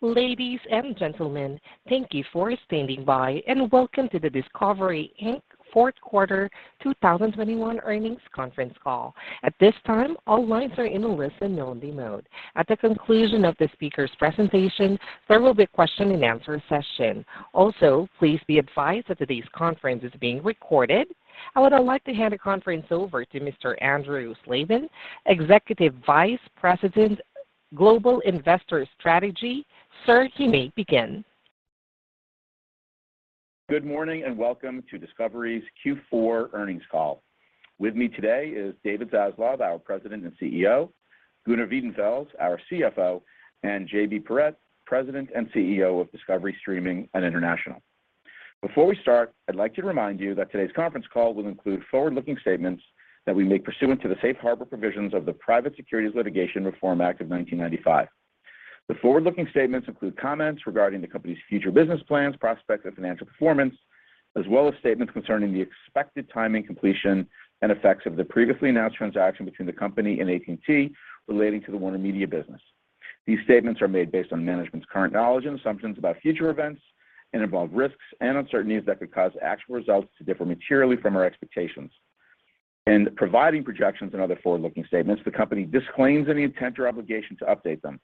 Ladies and gentlemen, thank you for standing by and welcome to the Discovery, Inc. Fourth Quarter 2021 Earnings Conference Call. At this time, all lines are in a listen-only mode. At the conclusion of the speakers' presentation, there will be a question and answer session. Also, please be advised that today's conference is being recorded. I would now like to hand the conference over to Mr. Andrew Slabin, Executive Vice President, Global Investor Strategy. Sir, you may begin. Good morning and welcome to Discovery's Q4 earnings call. With me today is David Zaslav, our President and CEO, Gunnar Wiedenfels, our CFO, and JB Perrette, President and CEO of Discovery, Inc. Streaming and International. Before we start, I'd like to remind you that today's conference call will include forward-looking statements that we make pursuant to the safe harbor provisions of the Private Securities Litigation Reform Act of 1995. The forward-looking statements include comments regarding the company's future business plans, prospects, and financial performance, as well as statements concerning the expected timing, completion, and effects of the previously announced transaction between the company and AT&T relating to the WarnerMedia business. These statements are made based on management's current knowledge and assumptions about future events and involve risks and uncertainties that could cause actual results to differ materially from our expectations. In providing projections and other forward-looking statements, the company disclaims any intent or obligation to update them.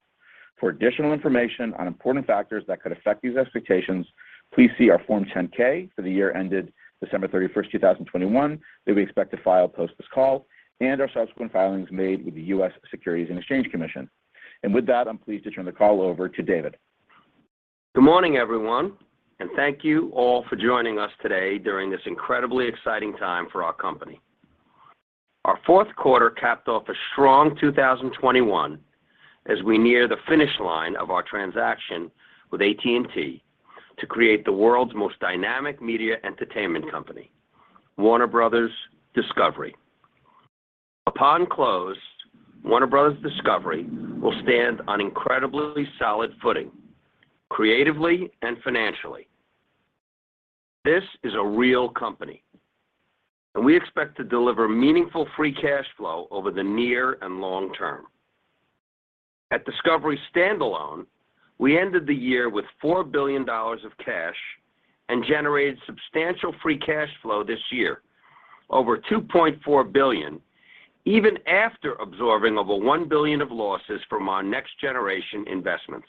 For additional information on important factors that could affect these expectations, please see our Form 10-K for the year ended December 31, 2021, that we expect to file post this call and our subsequent filings made with the U.S. Securities and Exchange Commission. With that, I'm pleased to turn the call over to David. Good morning, everyone and thank you all for joining us today during this incredibly exciting time for our company. Our fourth quarter capped off a strong 2021 as we near the finish line of our transaction with AT&T to create the world's most dynamic media entertainment company, Warner Bros. Discovery. Upon close, Warner Bros. Discovery will stand on incredibly solid footing, creatively and financially. This is a real company, and we expect to deliver meaningful free cash flow over the near and long term. At Discovery standalone, we ended the year with $4 billion of cash and generated substantial free cash flow this year, over $2.4 billion, even after absorbing over $1 billion of losses from our next-generation investments.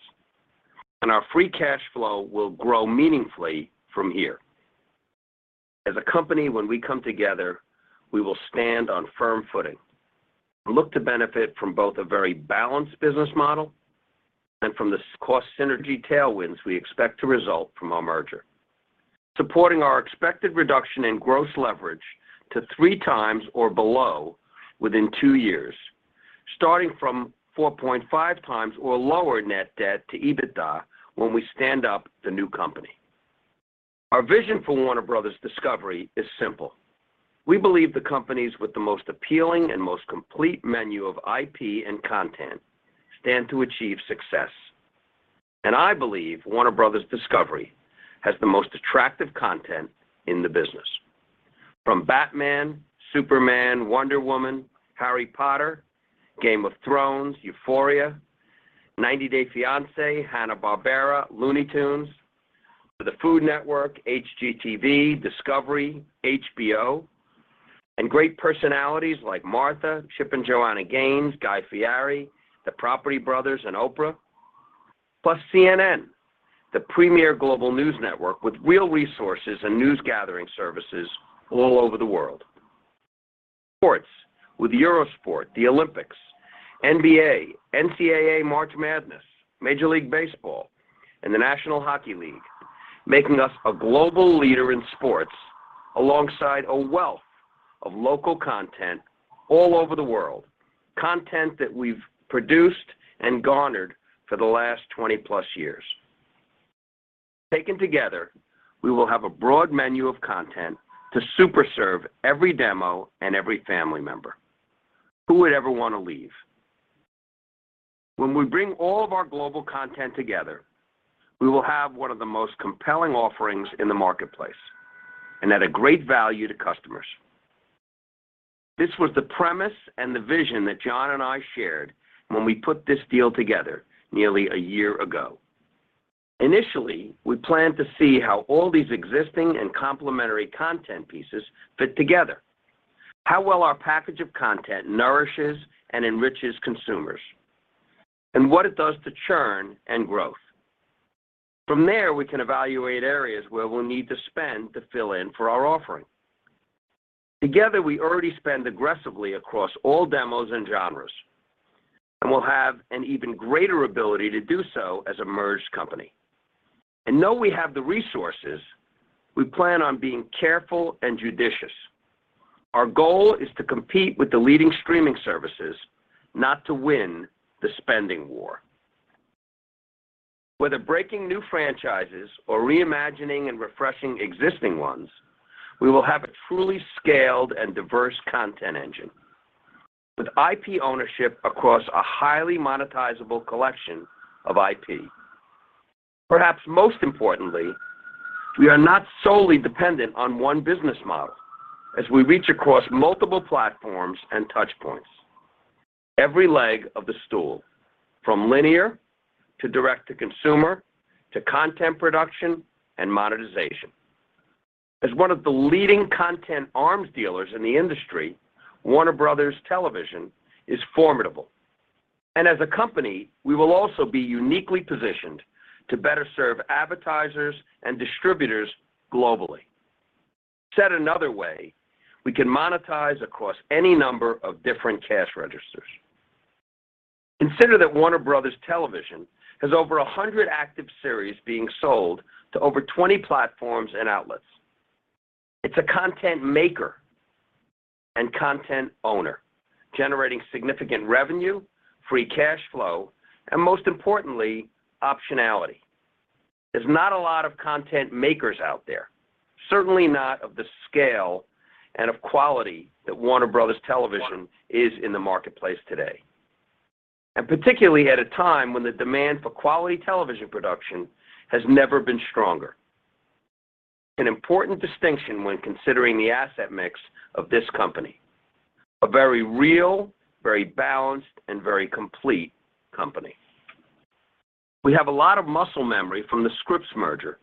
Our free cash flow will grow meaningfully from here. As a company, when we come together, we will stand on firm footing and look to benefit from both a very balanced business model and from the cost synergy tailwinds we expect to result from our merger, supporting our expected reduction in gross leverage to three times or below within two years, starting from 4.5x or lower net debt to EBITDA when we stand up the new company. Our vision for Warner Bros. Discovery, Inc. is simple. We believe the companies with the most appealing and most complete menu of IP and content stand to achieve success. I believe Warner Bros. Discovery, Inc. has the most attractive content in the business. From Batman, Superman, Wonder Woman, Harry Potter, Game of Thrones, Euphoria, 90 Day Fiancé, Hanna-Barbera, Looney Tunes to the Food Network, HGTV, Discovery, HBO and great personalities like Martha, Chip and Joanna Gaines, Guy Fieri, the Property Brothers and Oprah. Plus CNN, the premier global news network with real resources and news gathering services all over the world. Sports with Eurosport, the Olympics, NBA, NCAA March Madness, Major League Baseball and the National Hockey League, making us a global leader in sports alongside a wealth of local content all over the world, content that we've produced and garnered for the last 20+ years. Taken together, we will have a broad menu of content to super serve every demo and every family member. Who would ever wanna leave? When we bring all of our global content together, we will have one of the most compelling offerings in the marketplace and at a great value to customers. This was the premise and the vision that John and I shared when we put this deal together nearly a year ago. Initially, we planned to see how all these existing and complementary content pieces fit together, how well our package of content nourishes and enriches consumers, and what it does to churn and growth. From there, we can evaluate areas where we'll need to spend to fill in for our offering. Together, we already spend aggressively across all demos and genres, and we'll have an even greater ability to do so as a merged company. Though we have the resources, we plan on being careful and judicious. Our goal is to compete with the leading streaming services, not to win the spending war. Whether breaking new franchises or reimagining and refreshing existing ones, we will have a truly scaled and diverse content engine with IP ownership across a highly monetizable collection of IP. Perhaps most importantly, we are not solely dependent on one business model as we reach across multiple platforms and touchpoints. Every leg of the stool from linear to direct-to-consumer to content production and monetization. As one of the leading content arms dealers in the industry, Warner Bros. Television is formidable. As a company, we will also be uniquely positioned to better serve advertisers and distributors globally. Said another way, we can monetize across any number of different cash registers. Consider that Warner Bros. Television has over 100 active series being sold to over 20 platforms and outlets. It's a content maker and content owner, generating significant revenue, free cash flow, and most importantly, optionality. There's not a lot of content makers out there, certainly not of the scale and of quality that Warner Bros. Television is in the marketplace today, and particularly at a time when the demand for quality television production has never been stronger. An important distinction when considering the asset mix of this company. A very real, very balanced and very complete company. We have a lot of muscle memory from the Scripps merger,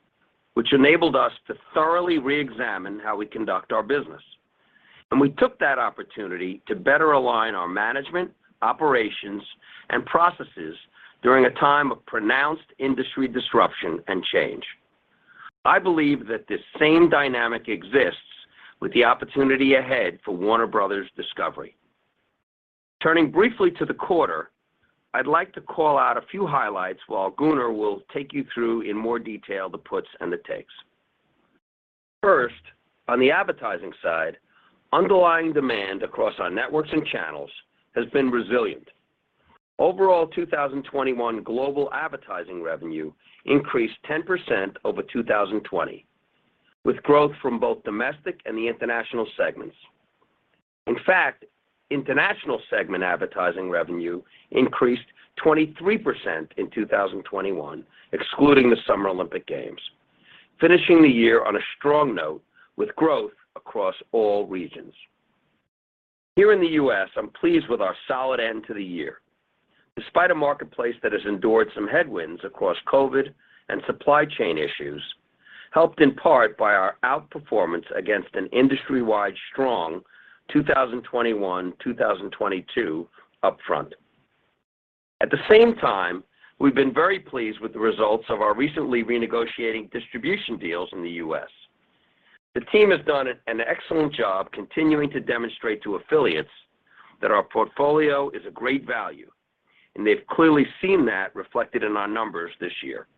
which enabled us to thoroughly reexamine how we conduct our business, and we took that opportunity to better align our management, operations, and processes during a time of pronounced industry disruption and change. I believe that this same dynamic exists with the opportunity ahead for Warner Bros. Discovery. Turning briefly to the quarter, I'd like to call out a few highlights, while Gunnar will take you through in more detail the puts and the takes. First, on the advertising side, underlying demand across our networks and channels has been resilient. Overall, 2021 global advertising revenue increased 10% over 2020, with growth from both domestic and the international segments. In fact, international segment advertising revenue increased 23% in 2021, excluding the Summer Olympic Games, finishing the year on a strong note with growth across all regions. Here in the U.S., I'm pleased with our solid end to the year. Despite a marketplace that has endured some headwinds across COVID and supply chain issues, helped in part by our outperformance against an industry-wide strong 2021, 2022 upfront. At the same time, we've been very pleased with the results of our recently renegotiating distribution deals in the U.S. The team has done an excellent job continuing to demonstrate to affiliates that our portfolio is a great value and they've clearly seen that reflected in our numbers this year.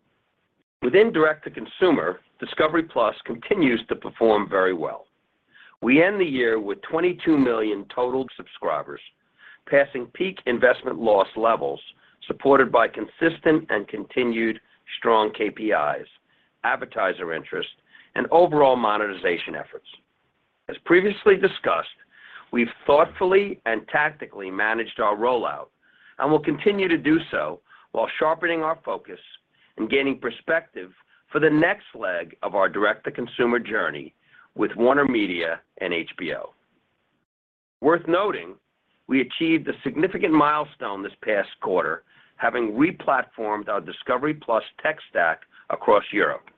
Within direct-to-consumer, Discovery+ continues to perform very well. We end the year with 22 million total subscribers, passing peak investment loss levels supported by consistent and continued strong KPIs, advertiser interest, and overall monetization efforts. As previously discussed, we've thoughtfully and tactically managed our rollout and will continue to do so while sharpening our focus and gaining perspective for the next leg of our direct-to-consumer journey with WarnerMedia and HBO. Worth noting, we achieved a significant milestone this past quarter, having re-platformed our Discovery+ tech stack across Europe,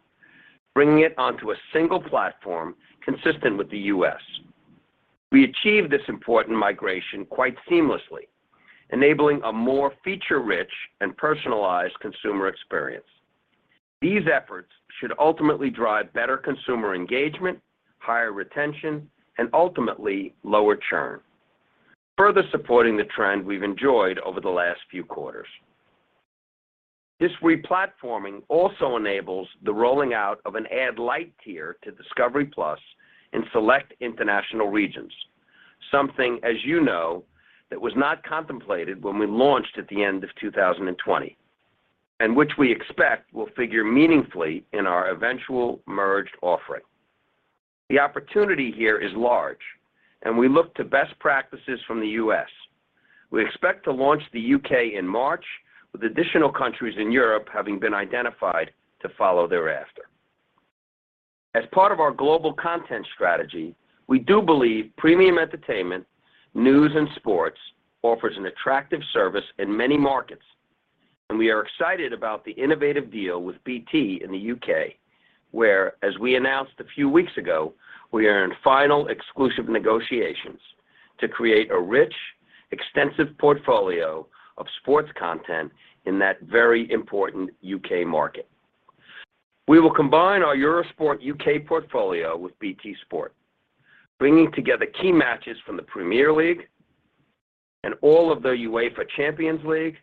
bringing it onto a single platform consistent with the U.S. We achieved this important migration quite seamlessly, enabling a more feature-rich and personalized consumer experience. These efforts should ultimately drive better consumer engagement, higher retention, and ultimately lower churn, further supporting the trend we've enjoyed over the last few quarters. This re-platforming also enables the rolling out of an Ad-Lite tier to Discovery+ in select international regions. Something, as you know, that was not contemplated when we launched at the end of 2020, and which we expect will figure meaningfully in our eventual merged offering. The opportunity here is large and we look to best practices from the U.S. We expect to launch the U.K. in March with additional countries in Europe having been identified to follow thereafter. As part of our global content strategy, we do believe premium entertainment, news and sports offers an attractive service in many markets, and we are excited about the innovative deal with BT in the U.K., where, as we announced a few weeks ago, we are in final exclusive negotiations to create a rich, extensive portfolio of sports content in that very important U.K. market. We will combine our Eurosport U.K. portfolio with BT Sport, bringing together key matches from the Premier League and all of the UEFA Champions League,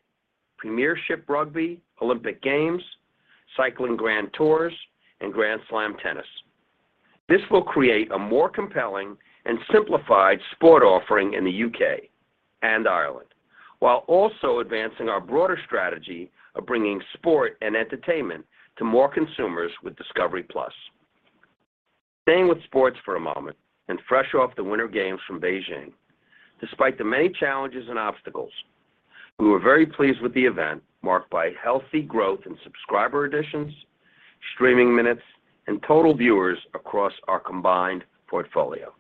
Premiership Rugby, Olympic Games, Cycling Grand Tours and Grand Slam Tennis. This will create a more compelling and simplified sport offering in the U.K. and Ireland while also advancing our broader strategy of bringing sport and entertainment to more consumers with Discovery+. Staying with sports for a moment and fresh off the Winter Games from Beijing. Despite the many challenges and obstacles, we were very pleased with the event marked by healthy growth in subscriber additions, streaming minutes, and total viewers across our combined portfolio.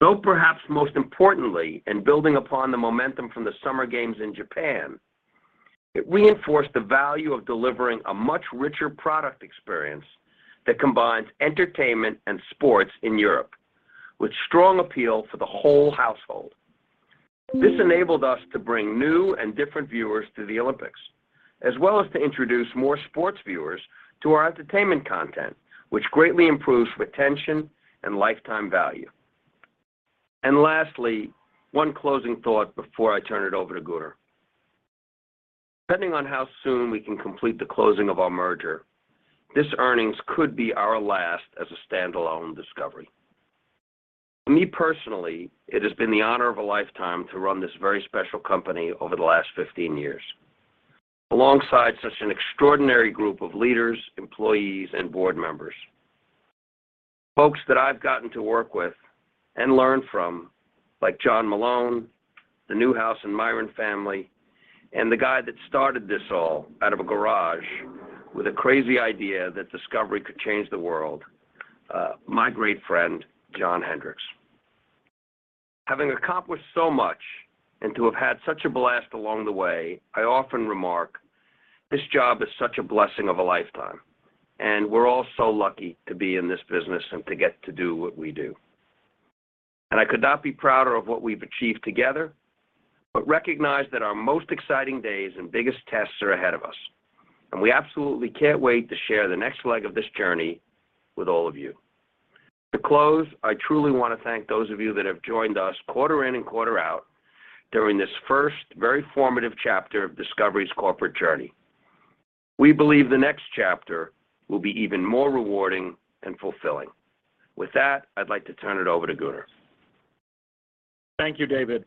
Though perhaps most importantly, in building upon the momentum from the Summer Games in Japan, it reinforced the value of delivering a much richer product experience that combines entertainment and sports in Europe, with strong appeal for the whole household. This enabled us to bring new and different viewers to the Olympics, as well as to introduce more sports viewers to our entertainment content, which greatly improves retention and lifetime value. Lastly, one closing thought before I turn it over to Gunnar. Depending on how soon we can complete the closing of our merger, this earnings could be our last as a standalone Discovery. For me personally, it has been the honor of a lifetime to run this very special company over the last 15 years. Alongside such an extraordinary group of leaders, employees, and board members. Folks that I've gotten to work with and learn from like John Malone, the Newhouse and Miron family and the guy that started this all out of a garage with a crazy idea that Discovery, Inc. could change the world my great friend, John Hendricks. Having accomplished so much and to have had such a blast along the way, I often remark, this job is such a blessing of a lifetime, and we're all so lucky to be in this business and to get to do what we do. I could not be prouder of what we've achieved together, but recognize that our most exciting days and biggest tests are ahead of us, and we absolutely can't wait to share the next leg of this journey with all of you. To close, I truly want to thank those of you that have joined us quarter in and quarter out during this first very formative chapter of Discovery's corporate journey. We believe the next chapter will be even more rewarding and fulfilling. With that, I'd like to turn it over to Gunnar. Thank you, David.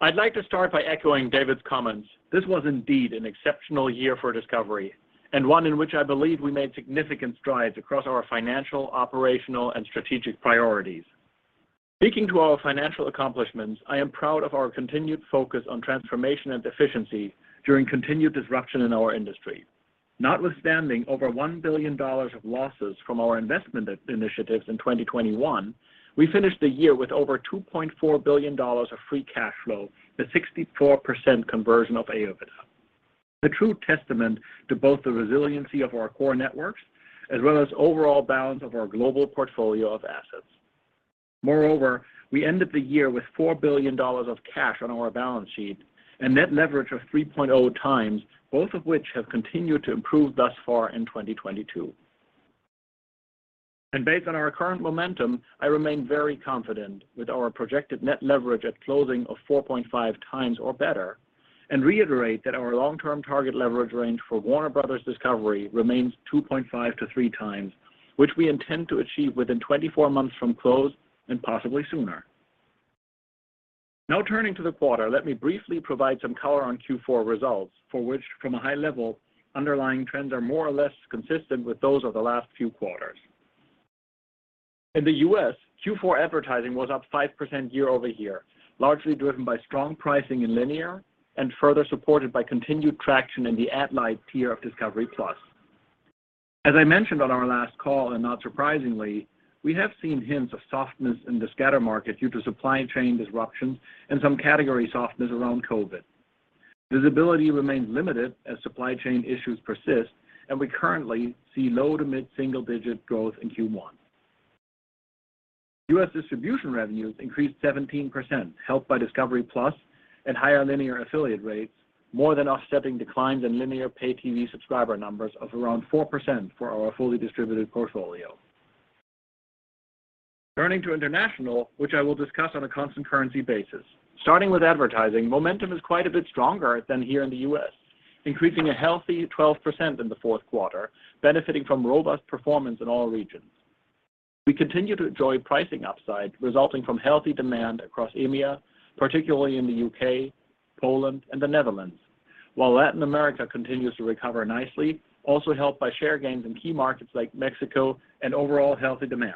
I'd like to start by echoing David's comments. This was indeed an exceptional year for Discovery and one in which I believe we made significant strides across our financial, operational and strategic priorities. Speaking to our financial accomplishments, I am proud of our continued focus on transformation and efficiency during continued disruption in our industry. Notwithstanding over $1 billion of losses from our investment initiatives in 2021, we finished the year with over $2.4 billion of free cash flow, the 64% conversion of EBITDA. The true testament to both the resiliency of our core networks as well as overall balance of our global portfolio of assets. Moreover, we ended the year with $4 billion of cash on our balance sheet and net leverage of 3.0x, both of which have continued to improve thus far in 2022. Based on our current momentum, I remain very confident with our projected net leverage at closing of 4.5x or better, and reiterate that our long-term target leverage range for Warner Bros. Discovery, Inc. remains 2.5x-3x, which we intend to achieve within 24 months from close and possibly sooner. Now turning to the quarter, let me briefly provide some color on Q4 results for which, from a high level, underlying trends are more or less consistent with those of the last few quarters. In the U.S., Q4 advertising was up 5% year-over-year, largely driven by strong pricing in linear and further supported by continued traction in the Ad-Lite tier of Discovery+. As I mentioned on our last call, and not surprisingly, we have seen hints of softness in the scatter market due to supply chain disruptions and some category softness around COVID. Visibility remains limited as supply chain issues persist, and we currently see low- to mid-single-digit growth in Q1. U.S. distribution revenues increased 17%, helped by Discovery+ and higher linear affiliate rates, more than offsetting declines in linear pay TV subscriber numbers of around 4% for our fully distributed portfolio. Turning to international, which I will discuss on a constant currency basis. Starting with advertising, momentum is quite a bit stronger than here in the U.S., increasing a healthy 12% in the fourth quarter, benefiting from robust performance in all regions. We continue to enjoy pricing upside resulting from healthy demand across EMEA, particularly in the U.K., Poland and the Netherlands. While Latin America continues to recover nicely, also helped by share gains in key markets like Mexico and overall healthy demand.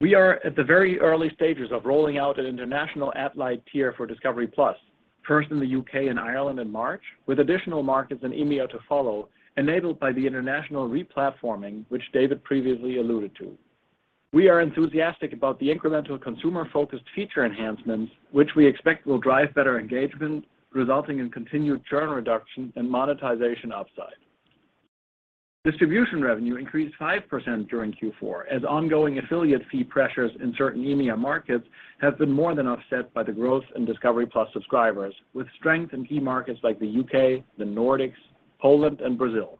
We are at the very early stages of rolling out an international Ad-Lite tier for Discovery+, first in the U.K. and Ireland in March, with additional markets in EMEA to follow, enabled by the international replatforming which David previously alluded to. We are enthusiastic about the incremental consumer-focused feature enhancements, which we expect will drive better engagement, resulting in continued churn reduction and monetization upside. Distribution revenue increased 5% during Q4, as ongoing affiliate fee pressures in certain EMEA markets have been more than offset by the growth in Discovery+ subscribers, with strength in key markets like the U.K., the Nordics, Poland, and Brazil.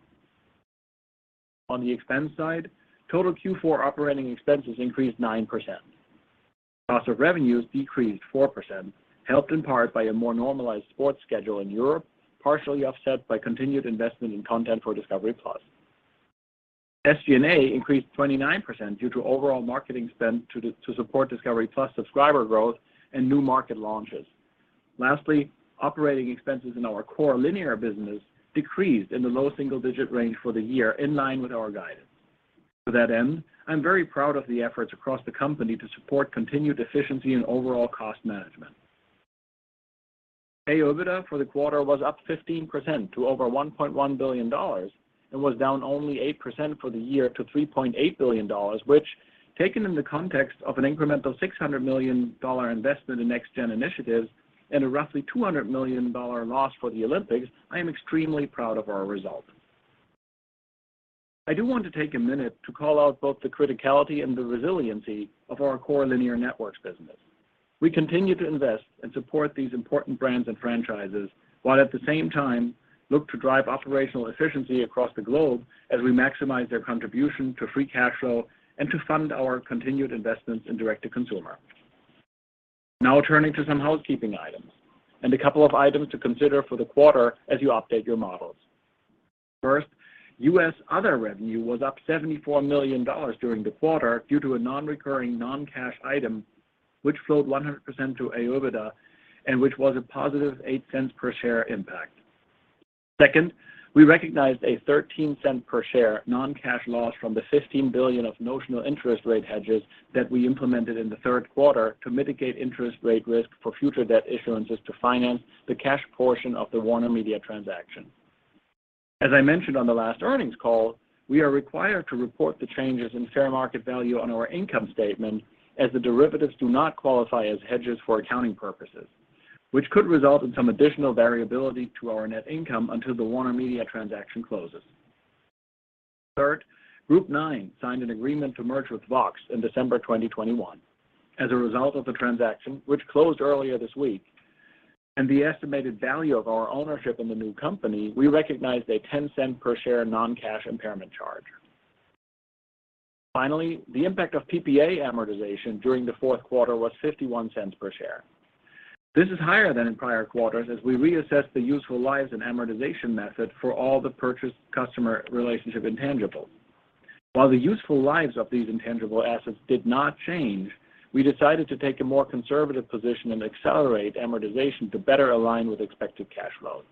On the expense side, total Q4 operating expenses increased 9%. Cost of revenues decreased 4%, helped in part by a more normalized sports schedule in Europe, partially offset by continued investment in content for Discovery+. SG&A increased 29% due to overall marketing spend to support Discovery+ subscriber growth and new market launches. Lastly, operating expenses in our core linear business decreased in the low single-digit range for the year in line with our guidance. To that end, I'm very proud of the efforts across the company to support continued efficiency and overall cost management. AOIBDA for the quarter was up 15% to over $1.1 billion and was down only 8% for the year to $3.8 billion, which taken in the context of an incremental $600 million investment in next gen initiatives and a roughly $200 million loss for the Olympics, I am extremely proud of our results. I do want to take a minute to call out both the criticality and the resiliency of our core linear networks business. We continue to invest and support these important brands and franchises while at the same time look to drive operational efficiency across the globe as we maximize their contribution to free cash flow and to fund our continued investments in Direct-to-Consumer. Now turning to some housekeeping items and a couple of items to consider for the quarter as you update your models. First, U.S. other revenue was up $74 million during the quarter due to a non-recurring non-cash item which flowed 100% to AOIBDA and which was a positive $0.08 per share impact. Second, we recognized a $0.13 per share non-cash loss from the $15 billion of notional interest rate hedges that we implemented in the third quarter to mitigate interest rate risk for future debt issuances to finance the cash portion of the WarnerMedia transaction. As I mentioned on the last earnings call, we are required to report the changes in fair market value on our income statement as the derivatives do not qualify as hedges for accounting purposes, which could result in some additional variability to our net income until the WarnerMedia transaction closes. Third, Group Nine Media signed an agreement to merge with Vox Media in December 2021. As a result of the transaction, which closed earlier this week, and the estimated value of our ownership in the new company, we recognized a $0.10 per share non-cash impairment charge. Finally, the impact of PPA amortization during the fourth quarter was $0.51 per share. This is higher than in prior quarters as we reassess the useful lives and amortization method for all the purchase customer relationship intangibles. While the useful lives of these intangible assets did not change, we decided to take a more conservative position and accelerate amortization to better align with expected cash flow.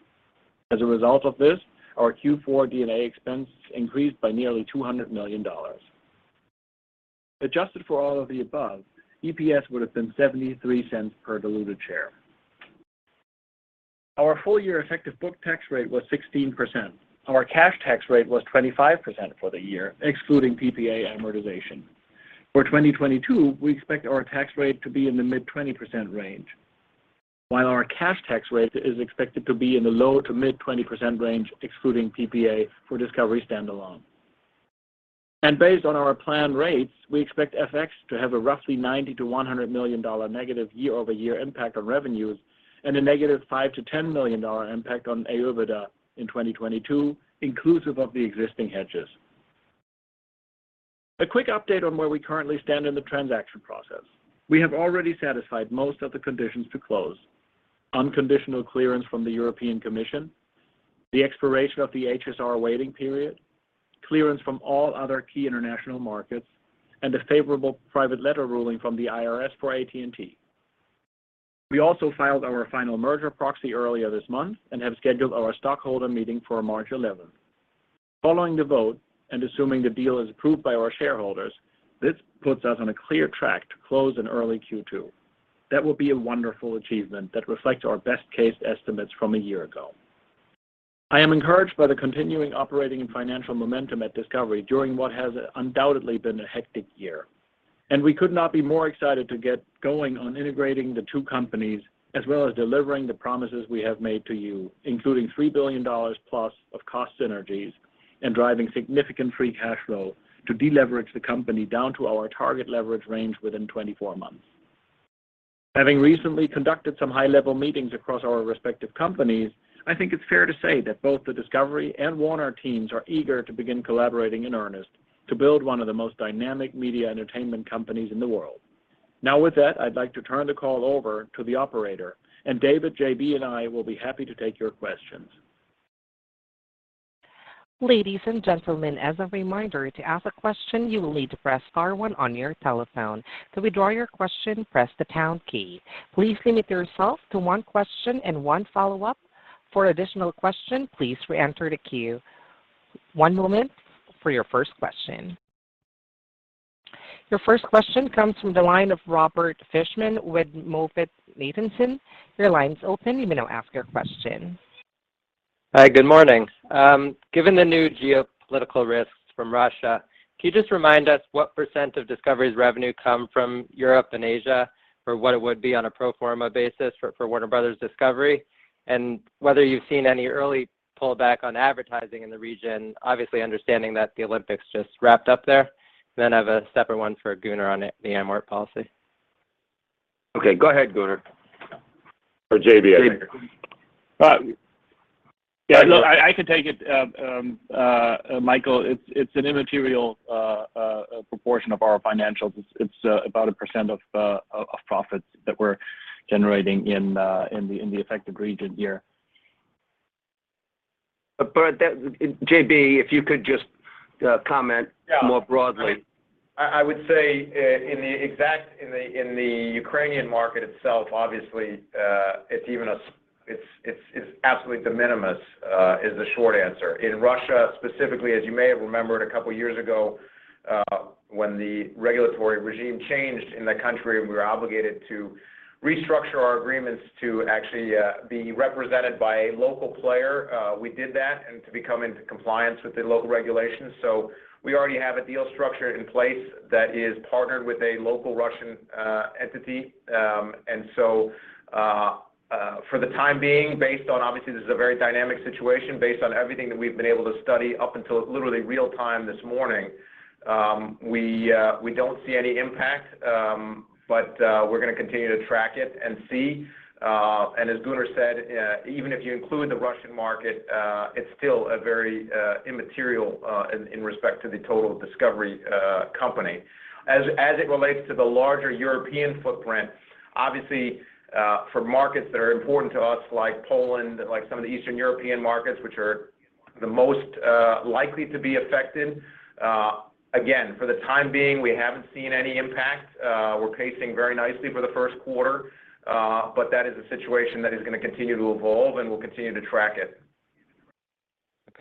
As a result of this, our Q4 D&A expense increased by nearly $200 million. Adjusted for all of the above, EPS would have been $0.73 per diluted share. Our full year effective book tax rate was 16%. Our cash tax rate was 25% for the year, excluding PPA amortization. For 2022, we expect our tax rate to be in the mid-20% range, while our cash tax rate is expected to be in the low- to mid-20% range excluding PPA for Discovery standalone. Based on our planned rates, we expect FX to have a roughly $90 million-$100 million negative year-over-year impact on revenues and a -$5 million to $10 million impact on AOIBDA in 2022, inclusive of the existing hedges. A quick update on where we currently stand in the transaction process. We have already satisfied most of the conditions to close. Unconditional clearance from the European Commission, the expiration of the HSR waiting period, clearance from all other key international markets, and a favorable private letter ruling from the IRS for AT&T. We also filed our final merger proxy earlier this month and have scheduled our stockholder meeting for March 11. Following the vote and assuming the deal is approved by our shareholders, this puts us on a clear track to close in early Q2. That will be a wonderful achievement that reflects our best case estimates from a year ago. I am encouraged by the continuing operating and financial momentum at Discovery, Inc. during what has undoubtedly been a hectic year. We could not be more excited to get going on integrating the two companies as well as delivering the promises we have made to you, including $3 billion plus of cost synergies and driving significant free cash flow to deleverage the company down to our target leverage range within 24 months. Having recently conducted some high-level meetings across our respective companies, I think it's fair to say that both the Discovery, Inc. and Warner teams are eager to begin collaborating in earnest to build one of the most dynamic media entertainment companies in the world. Now with that, I'd like to turn the call over to the operator, and David, JB, and I will be happy to take your questions. Ladies and gentlemen, as a reminder, to ask a question, you will need to press star one on your telephone. To withdraw your question, press the pound key. Please limit yourself to one question and one follow-up. For additional question, please reenter the queue. One moment for your first question. Your first question comes from the line of Robert Fishman with MoffettNathanson. Your line is open. You may now ask your question. Hi. Good morning. Given the new geopolitical risks from Russia, can you just remind us what percent of Discovery's revenue come from Europe and Asia, or what it would be on a pro forma basis for Warner Bros. Discovery? And whether you've seen any early pullback on advertising in the region, obviously understanding that the Olympics just wrapped up there. I have a separate one for Gunnar on the M&A policy? Okay. Go ahead, Gunnar. Or JB. I think. Yeah, no, I can take it. Michael, it's an immaterial proportion of our financials. It's about 1% of profits that we're generating in the affected region here. That, J.B., if you could just comment more broadly. I would say in the Ukrainian market itself, obviously it's absolutely de minimis, is the short answer. In Russia specifically, as you may have remembered a couple years ago, when the regulatory regime changed in that country and we were obligated to restructure our agreements to actually be represented by a local player, we did that and to become into compliance with the local regulations. We already have a deal structure in place that is partnered with a local Russian entity. For the time being, based on obviously this is a very dynamic situation, based on everything that we've been able to study up until literally real time this morning, we don't see any impact. We're gonna continue to track it and see. As Gunnar said, even if you include the Russian market, it's still a very immaterial in respect to the total Discovery company. As it relates to the larger European footprint, obviously, for markets that are important to us, like Poland, like some of the Eastern European markets which are the most likely to be affected, again, for the time being, we haven't seen any impact. We're pacing very nicely for the first quarter, but that is a situation that is gonna continue to evolve, and we'll continue to track it.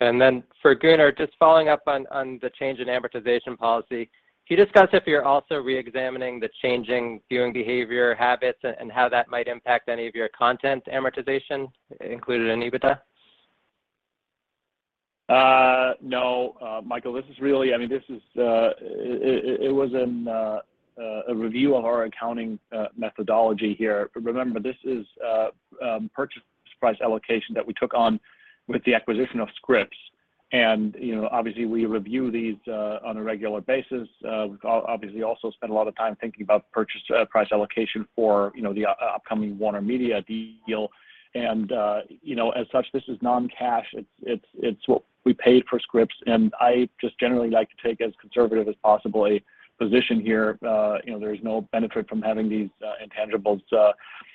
Okay. For Gunnar, just following up on the change in amortization policy. Can you discuss if you're also reexamining the changing viewing behavior habits and how that might impact any of your content amortization included in EBITDA? No. Michael, this is really. I mean, this is it was in a review of our accounting methodology here. Remember, this is purchase price allocation that we took on with the acquisition of Scripps. You know, obviously, we review these on a regular basis. We obviously also spend a lot of time thinking about purchase price allocation for, you know, the upcoming WarnerMedia deal. You know, as such, this is non-cash. It's what we paid for Scripps, and I just generally like to take as conservative as possible a position here. You know, there's no benefit from having these intangibles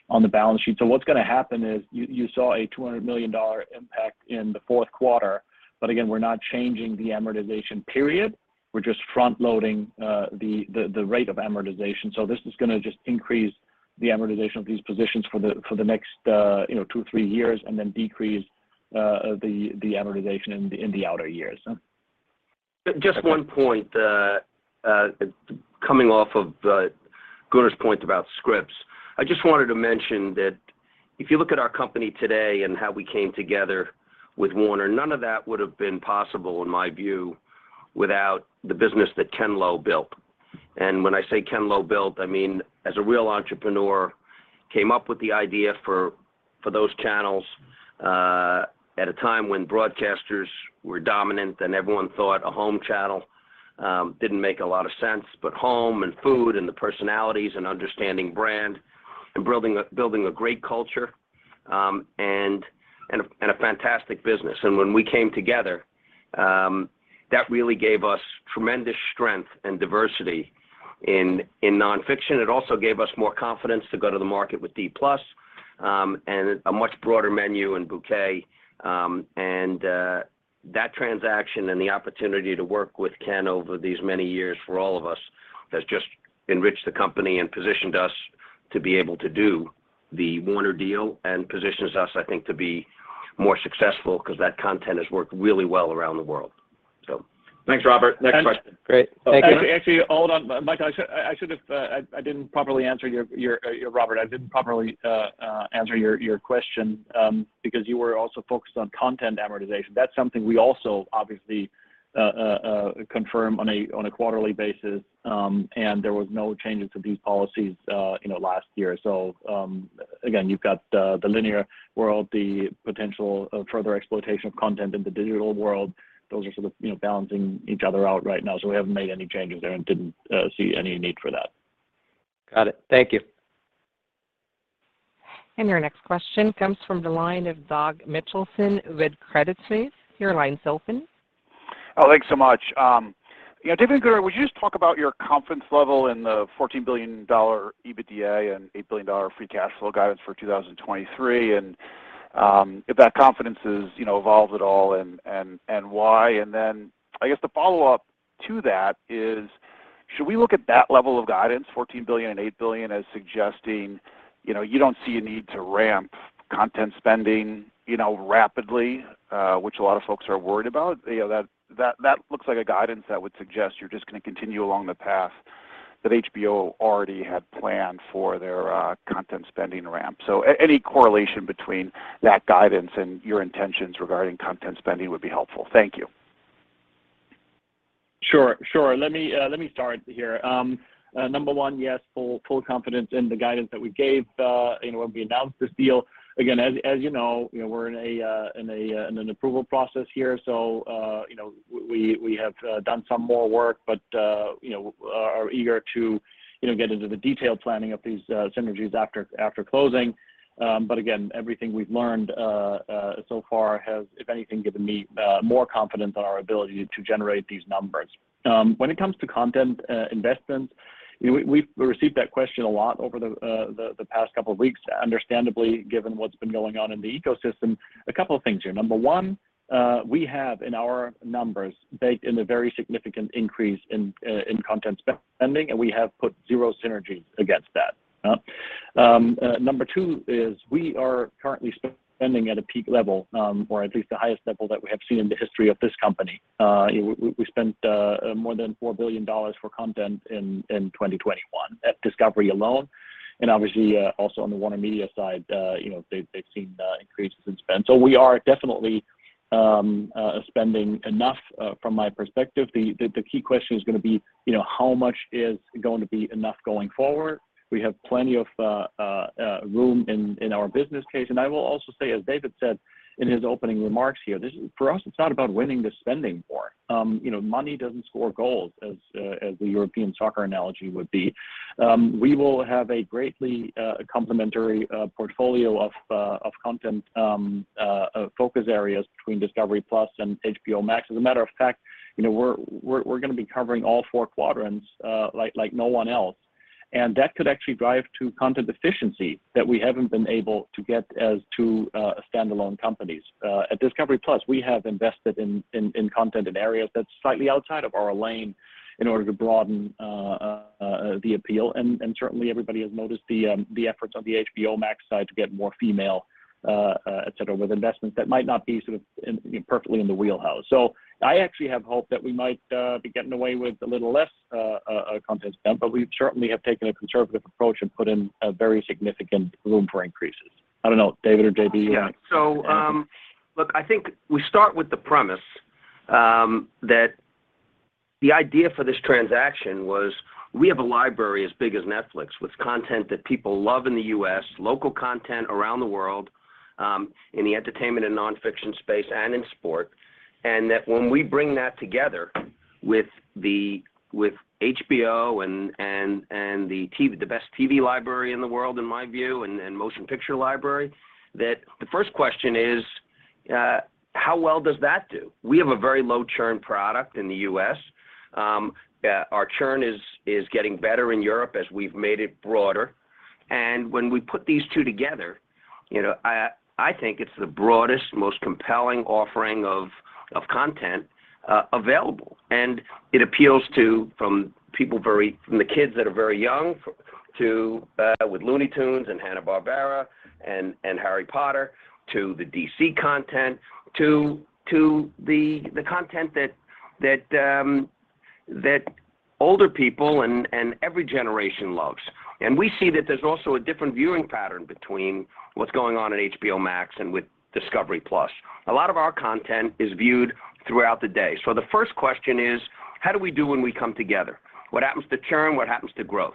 on the balance sheet. What's gonna happen is you saw a $200 million impact in the fourth quarter, but again, we're not changing the amortization period. We're just front loading the rate of amortization. This is gonna just increase the amortization of these positions for the next, you know, 2 years-3 years and then decrease the amortization in the outer years. Just one point, coming off of Gunnar's point about Scripps. I just wanted to mention that if you look at our company today and how we came together with Warner, none of that would've been possible in my view without the business that Ken Lowe built. When I say Ken Lowe built, I mean as a real entrepreneur, came up with the idea for those channels at a time when broadcasters were dominant and everyone thought a home channel didn't make a lot of sense, but home and food and the personalities and understanding brand and building a great culture and a fantastic business. When we came together, that really gave us tremendous strength and diversity in nonfiction. It also gave us more confidence to go to the market with Discovery+, and a much broader menu and bouquet. That transaction and the opportunity to work with Ken over these many years for all of us has just enriched the company and positioned us to be able to do the Warner deal and positions us, I think, to be more successful 'cause that content has worked really well around the world. Thanks, Robert. Next question. Great. Thank you. Actually, hold on. Michael, I didn't properly answer your question, because you were also focused on content amortization. That's something we also obviously confirm on a quarterly basis. There was no changes to these policies, you know, last year. Again, you've got the linear world, the potential of further exploitation of content in the digital world. Those are sort of, you know, balancing each other out right now. We haven't made any changes there and didn't see any need for that. Got it. Thank you. Your next question comes from the line of Doug Mitchelson with Credit Suisse. Your line's open. Oh, thanks so much. You know, David and Gunnar, would you just talk about your confidence level in the $14 billion EBITDA and $8 billion free cash flow guidance for 2023, and if that confidence is, you know, evolved at all, and why? I guess the follow-up to that is should we look at that level of guidance, $14 billion and $8 billion as suggesting, you know, you don't see a need to ramp content spending, you know, rapidly, which a lot of folks are worried about? You know, that looks like a guidance that would suggest you're just gonna continue along the path that HBO already had planned for their content spending ramp. Any correlation between that guidance and your intentions regarding content spending would be helpful. Thank you. Sure. Let me start here. Number one, yes, full confidence in the guidance that we gave, you know, when we announced this deal. Again, as you know, we're in an approval process here, so, you know, we have done some more work but, you know, are eager to, you know, get into the detailed planning of these synergies after closing. But again, everything we've learned so far has, if anything, given me more confidence in our ability to generate these numbers. When it comes to content investments, you know, we've received that question a lot over the past couple of weeks, understandably given what's been going on in the ecosystem. A couple of things here. Number one, we have in our numbers baked in a very significant increase in content spending, and we have put zero synergies against that. Number two is we are currently spending at a peak level, or at least the highest level that we have seen in the history of this company. You know, we spent more than $4 billion for content in 2021 at Discovery alone, and obviously also on the WarnerMedia side, you know, they've seen increases in spend. We are definitely spending enough from my perspective. The key question is gonna be, you know, how much is going to be enough going forward? We have plenty of room in our business case. I will also say, as David said in his opening remarks here, this is for us, it's not about winning the spending war. You know, money doesn't score goals, as the European soccer analogy would be. We will have a greatly complementary portfolio of content focus areas between Discovery+ and HBO Max. As a matter of fact, you know, we're gonna be covering all four quadrants, like no one else, and that could actually drive to content efficiency that we haven't been able to get as two standalone companies. At Discovery+ we have invested in content in areas that's slightly outside of our lane in order to broaden the appeal, and certainly everybody has noticed the efforts on the HBO Max side to get more female et cetera, with investments that might not be sort of in, you know, perfectly in the wheelhouse. I actually have hope that we might be getting away with a little less content spend, but we certainly have taken a conservative approach and put in a very significant room for increases. I don't know, David or JB? Yeah. Look, I think we start with the premise that the idea for this transaction was we have a library as big as Netflix with content that people love in the U.S., local content around the world, in the entertainment and nonfiction space and in sport, and that when we bring that together with HBO and the best TV library in the world, in my view, and motion picture library, that the first question is, how well does that do? We have a very low churn product in the U.S. Our churn is getting better in Europe as we've made it broader. When we put these two together, you know, I think it's the broadest, most compelling offering of content available. It appeals to from the kids that are very young, with Looney Tunes and Hanna-Barbera and Harry Potter, to the DC content, to the content that older people and every generation loves. We see that there's also a different viewing pattern between what's going on at HBO Max and with Discovery+. A lot of our content is viewed throughout the day. The first question is, how do we do when we come together? What happens to churn? What happens to growth?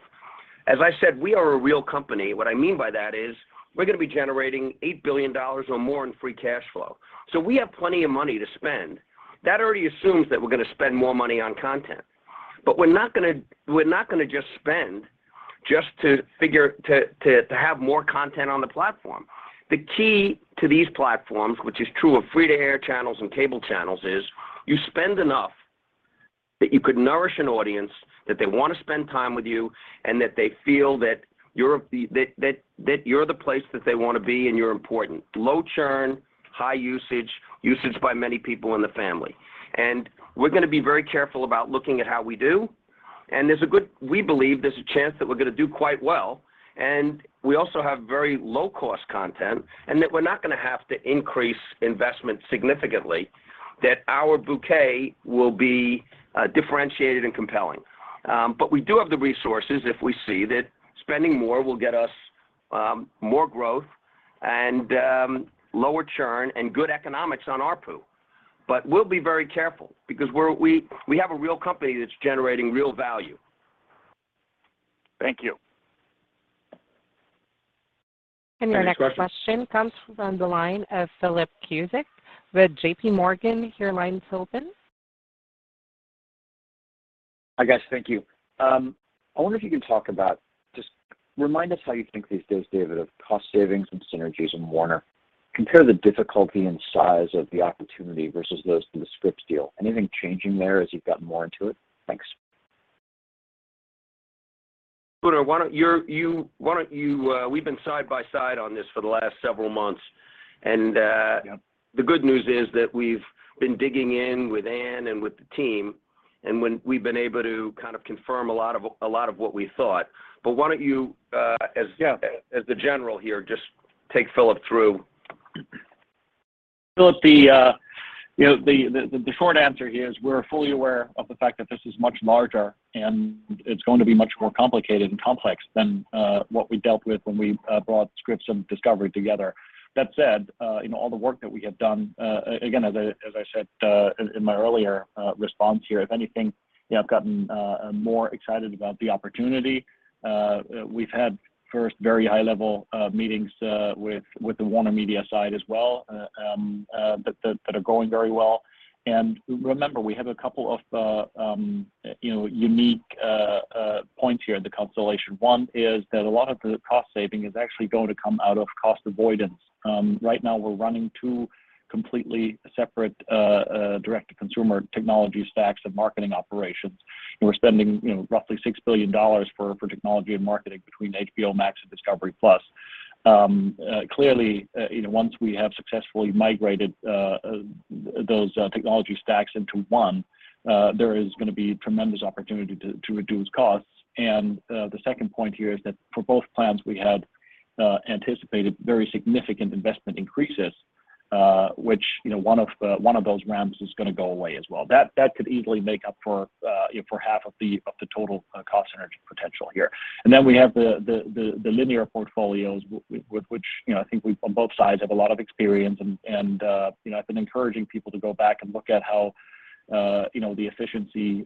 As I said, we are a real company. What I mean by that is we're gonna be generating $8 billion or more in free cash flow. We have plenty of money to spend. That already assumes that we're gonna spend more money on content. We're not gonna just spend to have more content on the platform. The key to these platforms, which is true of free-to-air channels and cable channels, is you spend enough that you could nourish an audience, that they wanna spend time with you, and that they feel that you're the place that they wanna be and you're important. Low churn, high usage by many people in the family. We're gonna be very careful about looking at how we do. We believe there's a chance that we're gonna do quite well. We also have very low-cost content, and that we're not gonna have to increase investment significantly, that our bouquet will be differentiated and compelling. We do have the resources if we see that spending more will get us more growth and lower churn and good economics on ARPU. We'll be very careful because we have a real company that's generating real value. Thank you. Your next question comes from the line of Philip Cusick with J.P. Morgan. Your line's open. Hi, guys. Thank you. I wonder if you can just remind us how you think these days, David, of cost savings and synergies in Warner. Compare the difficulty and size of the opportunity versus those in the Scripps deal. Anything changing there as you've gotten more into it? Thanks. Gunnar, why don't you, we've been side by side on this for the last several months. Yep. The good news is that we've been digging in with Anne and with the team, and when we've been able to kind of confirm a lot of what we thought. Why don't you, as the general here, just take Philip through. Philip, the short answer here is we're fully aware of the fact that this is much larger, and it's going to be much more complicated and complex than what we dealt with when we brought Scripps and Discovery, Inc. together. That said, you know, all the work that we have done, again, as I said in my earlier response here, if anything, you know, I've gotten more excited about the opportunity. We've had first very high-level meetings with the WarnerMedia side as well that are going very well. Remember, we have a couple of unique points here in the constellation. One is that a lot of the cost saving is actually going to come out of cost avoidance. Right now we're running two completely separate direct-to-consumer technology stacks and marketing operations. We're spending, you know, roughly $6 billion for technology and marketing between HBO Max and Discovery+. Clearly, you know, once we have successfully migrated those technology stacks into one, there is gonna be tremendous opportunity to reduce costs. The second point here is that for both plans we had anticipated very significant investment increases, which, you know, one of those ramps is gonna go away as well. That could easily make up for, you know, for half of the total cost synergy potential here. We have the linear portfolios with which, you know, I think we on both sides have a lot of experience and you know, I've been encouraging people to go back and look at how you know, the efficiency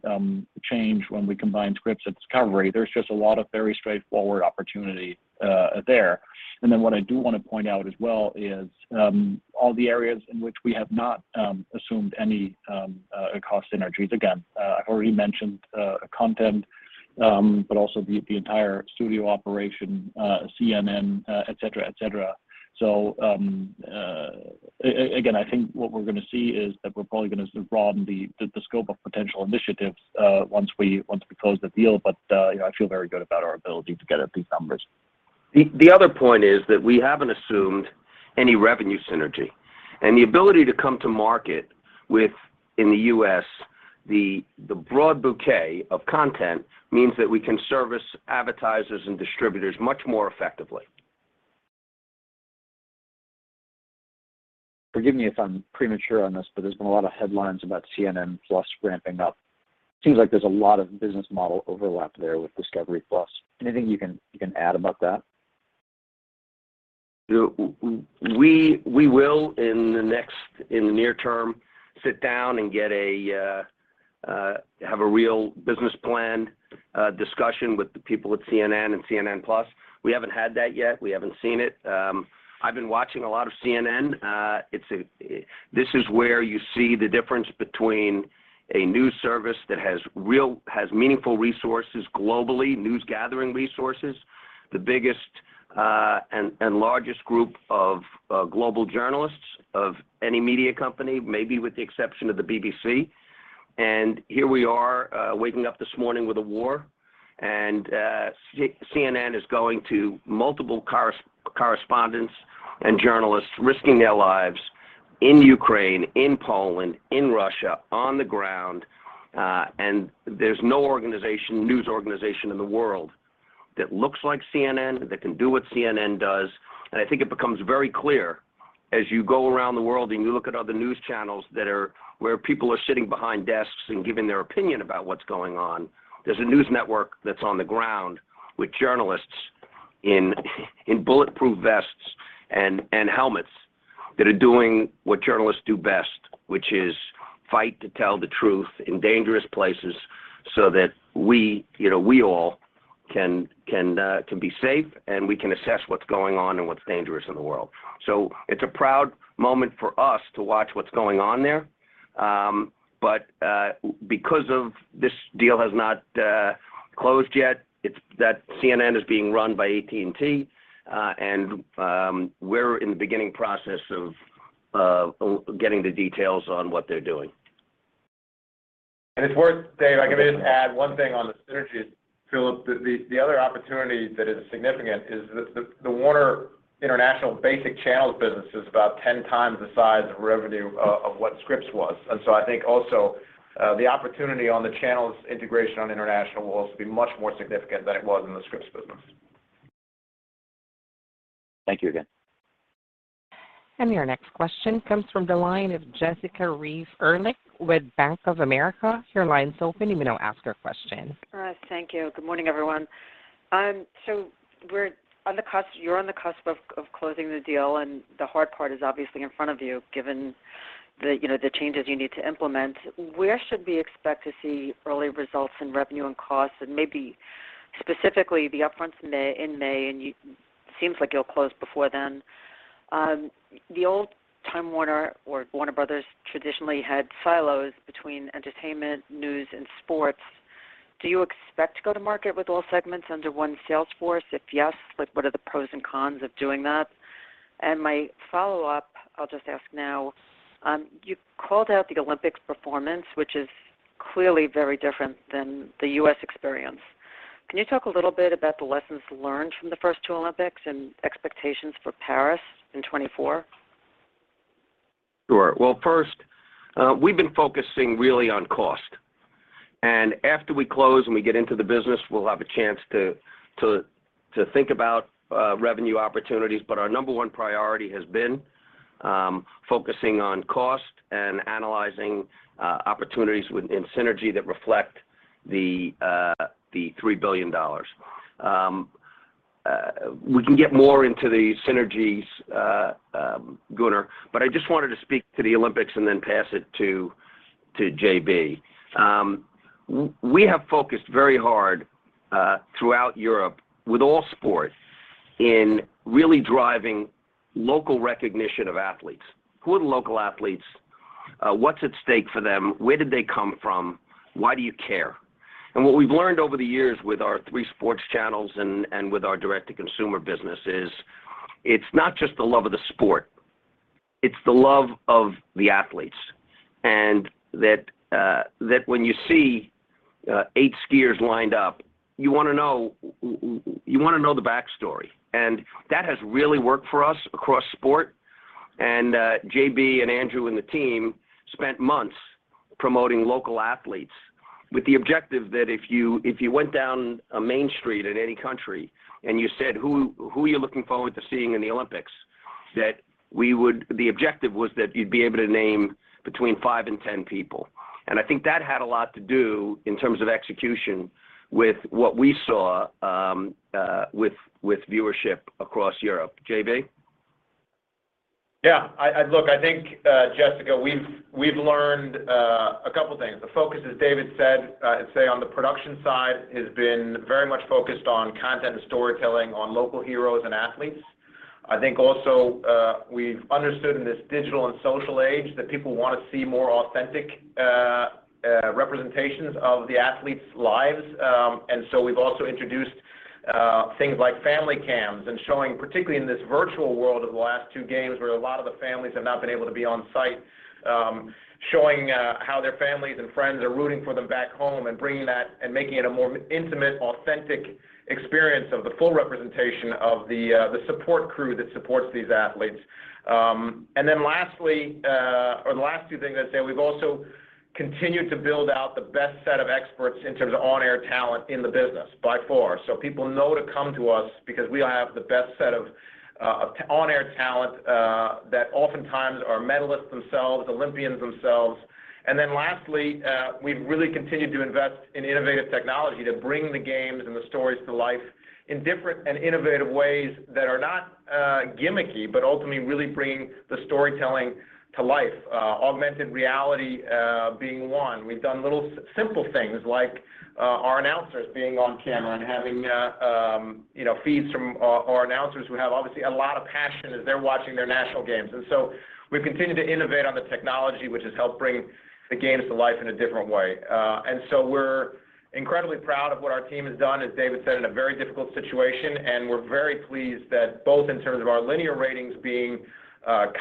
changed when we combined Scripps and Discovery. There's just a lot of very straightforward opportunity there. What I do wanna point out as well is all the areas in which we have not assumed any cost synergies. Again, I've already mentioned content, but also the entire studio operation, CNN, et cetera, et cetera. Again, I think what we're gonna see is that we're probably gonna broaden the scope of potential initiatives once we close the deal, but, you know, I feel very good about our ability to get at these numbers. The other point is that we haven't assumed any revenue synergy. The ability to come to market with in the U.S. the broad bouquet of content means that we can service advertisers and distributors much more effectively. Forgive me if I'm premature on this, but there's been a lot of headlines about CNN+ ramping up. Seems like there's a lot of business model overlap there with Discovery+. Anything you can add about that? We will in the near term sit down and have a real business plan discussion with the people at CNN and CNN+. We haven't had that yet. We haven't seen it. I've been watching a lot of CNN. This is where you see the difference between a news service that has meaningful resources globally, news gathering resources, the biggest and largest group of global journalists of any media company, maybe with the exception of the BBC. Here we are waking up this morning with a war and CNN is going to multiple correspondents and journalists risking their lives in Ukraine, in Poland, in Russia, on the ground. There's no organization, news organization in the world that looks like CNN, that can do what CNN does. I think it becomes very clear as you go around the world and you look at other news channels that are where people are sitting behind desks and giving their opinion about what's going on. There's a news network that's on the ground with journalists in bulletproof vests and helmets that are doing what journalists do best, which is fight to tell the truth in dangerous places so that we, you know, we all can be safe, and we can assess what's going on and what's dangerous in the world. It's a proud moment for us to watch what's going on there. Because of this deal has not closed yet, it's that CNN is being run by AT&T. We're in the beginning process of getting the details on what they're doing. It's worth, David. I can maybe add one thing on the synergies. Philip, the other opportunity that is significant is the Warner International basic channels business is about 10x the size of revenue of what Scripps was. I think also, the opportunity on the channels integration on international will also be much more significant than it was in the Scripps business. Thank you again. Your next question comes from the line of Jessica Reif Ehrlich with Bank of America. Your line's open. You may now ask your question. All right. Thank you. Good morning, everyone. You're on the cusp of closing the deal, and the hard part is obviously in front of you, given the changes you need to implement. Where should we expect to see early results in revenue and costs, and maybe specifically the upfronts in May, and seems like you'll close before then. The old Time Warner or Warner Bros. traditionally had silos between entertainment, news, and sports. Do you expect to go to market with all segments under one sales force? If yes, like, what are the pros and cons of doing that? My follow-up, I'll just ask now. You called out the Olympics performance, which is clearly very different than the U.S. experience. Can you talk a little bit about the lessons learned from the first two Olympics and expectations for Paris in 2024? Sure. Well, first, we've been focusing really on cost. After we close and we get into the business, we'll have a chance to think about revenue opportunities. Our number one priority has been focusing on cost and analyzing opportunities within synergy that reflect the $3 billion. We can get more into the synergies, Gunnar, but I just wanted to speak to the Olympics and then pass it to JB. We have focused very hard throughout Europe with all sports in really driving local recognition of athletes. Who are the local athletes? What's at stake for them? Where did they come from? Why do you care? What we've learned over the years with our three sports channels and with our direct-to-consumer business is it's not just the love of the sport. It's the love of the athletes and that when you see eight skiers lined up, you wanna know the backstory. That has really worked for us across sport. JB and Andrew and the team spent months promoting local athletes with the objective that if you went down a main street in any country and you said, "Who are you looking forward to seeing in the Olympics?" The objective was that you'd be able to name between five and ten people. I think that had a lot to do in terms of execution with what we saw with viewership across Europe. JB? Yeah. I Look, I think, Jessica, we've learned a couple things. The focus, as David said, especially on the production side has been very much focused on content and storytelling on local heroes and athletes. I think also, we've understood in this digital and social age that people wanna see more authentic representations of the athletes' lives. We've also introduced things like family cams and showing, particularly in this virtual world of the last two games where a lot of the Olympic families have not been able to be on site, showing how their families and friends are rooting for them back home and bringing that and making it a more intimate, authentic experience of the full representation of the support crew that supports these athletes. Then lastly, or the last two things I'd say, we've also continued to build out the best set of experts in terms of on-air talent in the business by far. People know to come to us because we have the best set of on-air talent that oftentimes are medalists themselves, Olympians themselves. We've really continued to invest in innovative technology to bring the games and the stories to life in different and innovative ways that are not gimmicky, but ultimately really bring the storytelling to life. Augmented reality being one. We've done little simple things like our announcers being on camera and having you know, feeds from our announcers who have obviously a lot of passion as they're watching their national games. We've continued to innovate on the technology, which has helped bring the games to life in a different way. We're incredibly proud of what our team has done, as David said, in a very difficult situation, and we're very pleased that both in terms of our linear ratings being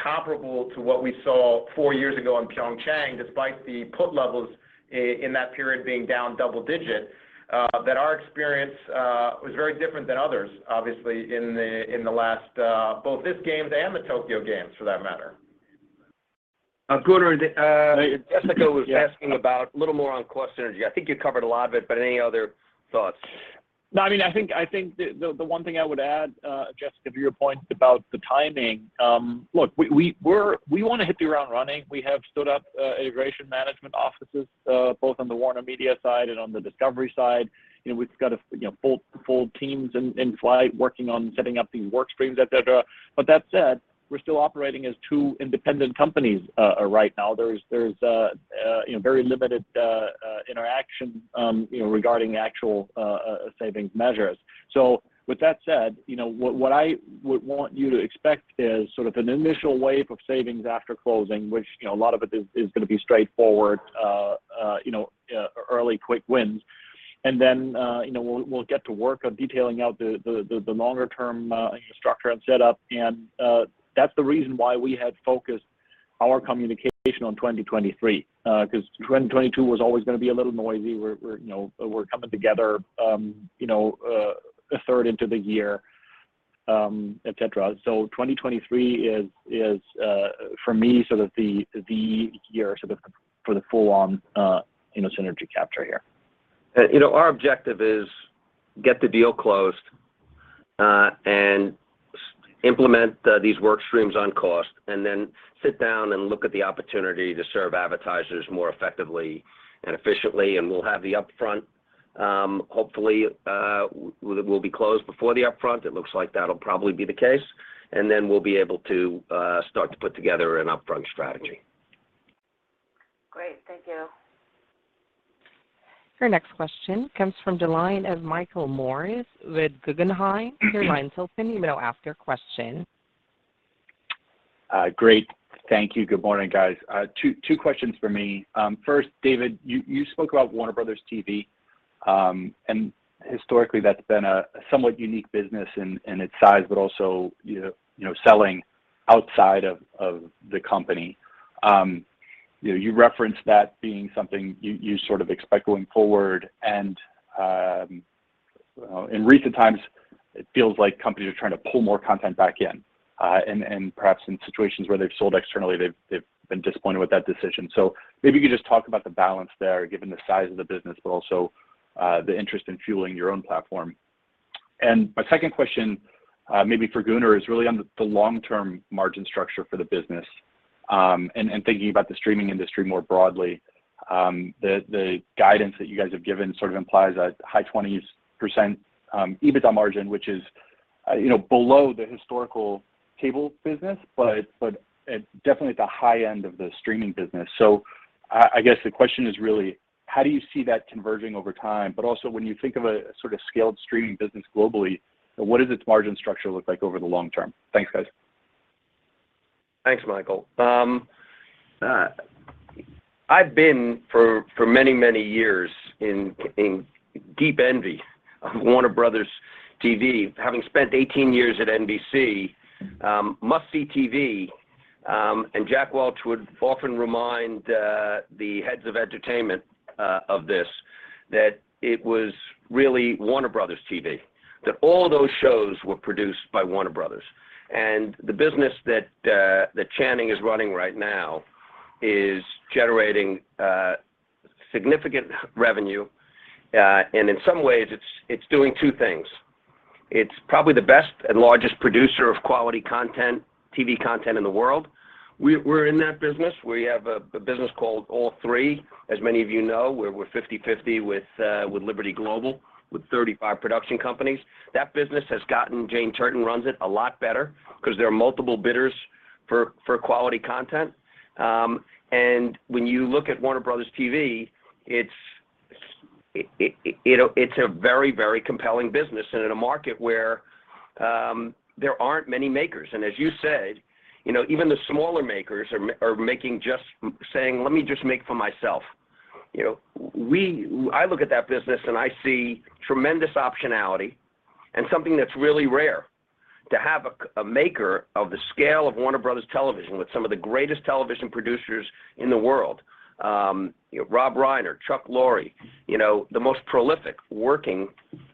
comparable to what we saw four years ago in Pyeongchang, despite the viewer levels in that period being down double-digit, that our experience was very different than others, obviously, in the last both these games and the Tokyo games, for that matter. Gunnar, Yeah. Jessica was asking about a little more on cost synergy. I think you covered a lot of it, but any other thoughts? No, I mean, I think the one thing I would add, Jessica, to your point about the timing, look, we wanna hit the ground running. We have stood up integration management offices both on the WarnerMedia side and on the Discovery, Inc. side. You know, we've got a you know full teams in flight working on setting up the work streams, et cetera. But that said, we're still operating as two independent companies right now. There's you know very limited interaction you know regarding actual savings measures. With that said, you know, what I would want you to expect is sort of an initial wave of savings after closing, which, you know, a lot of it is gonna be straightforward, you know, early quick wins. Then, you know, we'll get to work on detailing out the longer term, you know, structure and setup. That's the reason why we had focused our communication on 2023. 'Cause 2022 was always gonna be a little noisy. We're coming together, you know, a third into the year, et cetera. 2023 is, for me, sort of the year for the full-on synergy capture here. You know, our objective is get the deal closed, and implement these work streams on cost and then sit down and look at the opportunity to serve advertisers more effectively and efficiently. We'll have the upfront, hopefully, we'll be closed before the upfront. It looks like that'll probably be the case. Then we'll be able to start to put together an upfront strategy. Great. Thank you. Your next question comes from the line of Michael Morris with Guggenheim. Your line's open. You may now ask your question. Great. Thank you. Good morning, guys. Two questions for me. First, David, you spoke about Warner Bros. TV. Historically, that's been a somewhat unique business in its size, but also, you know, selling outside of the company. You know, you referenced that being something you sort of expect going forward and in recent times, it feels like companies are trying to pull more content back in. And perhaps in situations where they've sold externally, they've been disappointed with that decision. So maybe you could just talk about the balance there, given the size of the business, but also the interest in fueling your own platform. My second question, maybe for Gunnar, is really on the long term margin structure for the business. Thinking about the streaming industry more broadly. The guidance that you guys have given sort of implies a high 20s% EBITDA margin, which is, you know, below the historical cable business, but it's definitely at the high end of the streaming business. I guess the question is really how do you see that converging over time? Also when you think of a sort of scaled streaming business globally, what does its margin structure look like over the long term? Thanks, guys. Thanks, Michael. I've been for many years in deep envy of Warner Bros. TV, having spent 18 years at NBC, Must See TV, and Jack Welch would often remind the heads of entertainment of this that it was really Warner Bros. TV that all those shows were produced by Warner Bros. The business that Channing is running right now is generating significant revenue, and in some ways, it's doing two things. It's probably the best and largest producer of quality content, TV content in the world. We're in that business. We have a business called All3Media, as many of you know, where we're 50/50 with Liberty Global with 35 production companies. That business has gotten a lot better because Jane Turton runs it and there are multiple bidders for quality content. When you look at Warner Bros. TV, it's a very compelling business and in a market where there aren't many makers. As you said, you know, even the smaller makers are making, just saying, "Let me just make for myself." You know, I look at that business and I see tremendous optionality and something that's really rare to have a maker of the scale of Warner Bros. Television with some of the greatest television producers in the world. You know, Rob Reiner, Chuck Lorre, you know, the most prolific working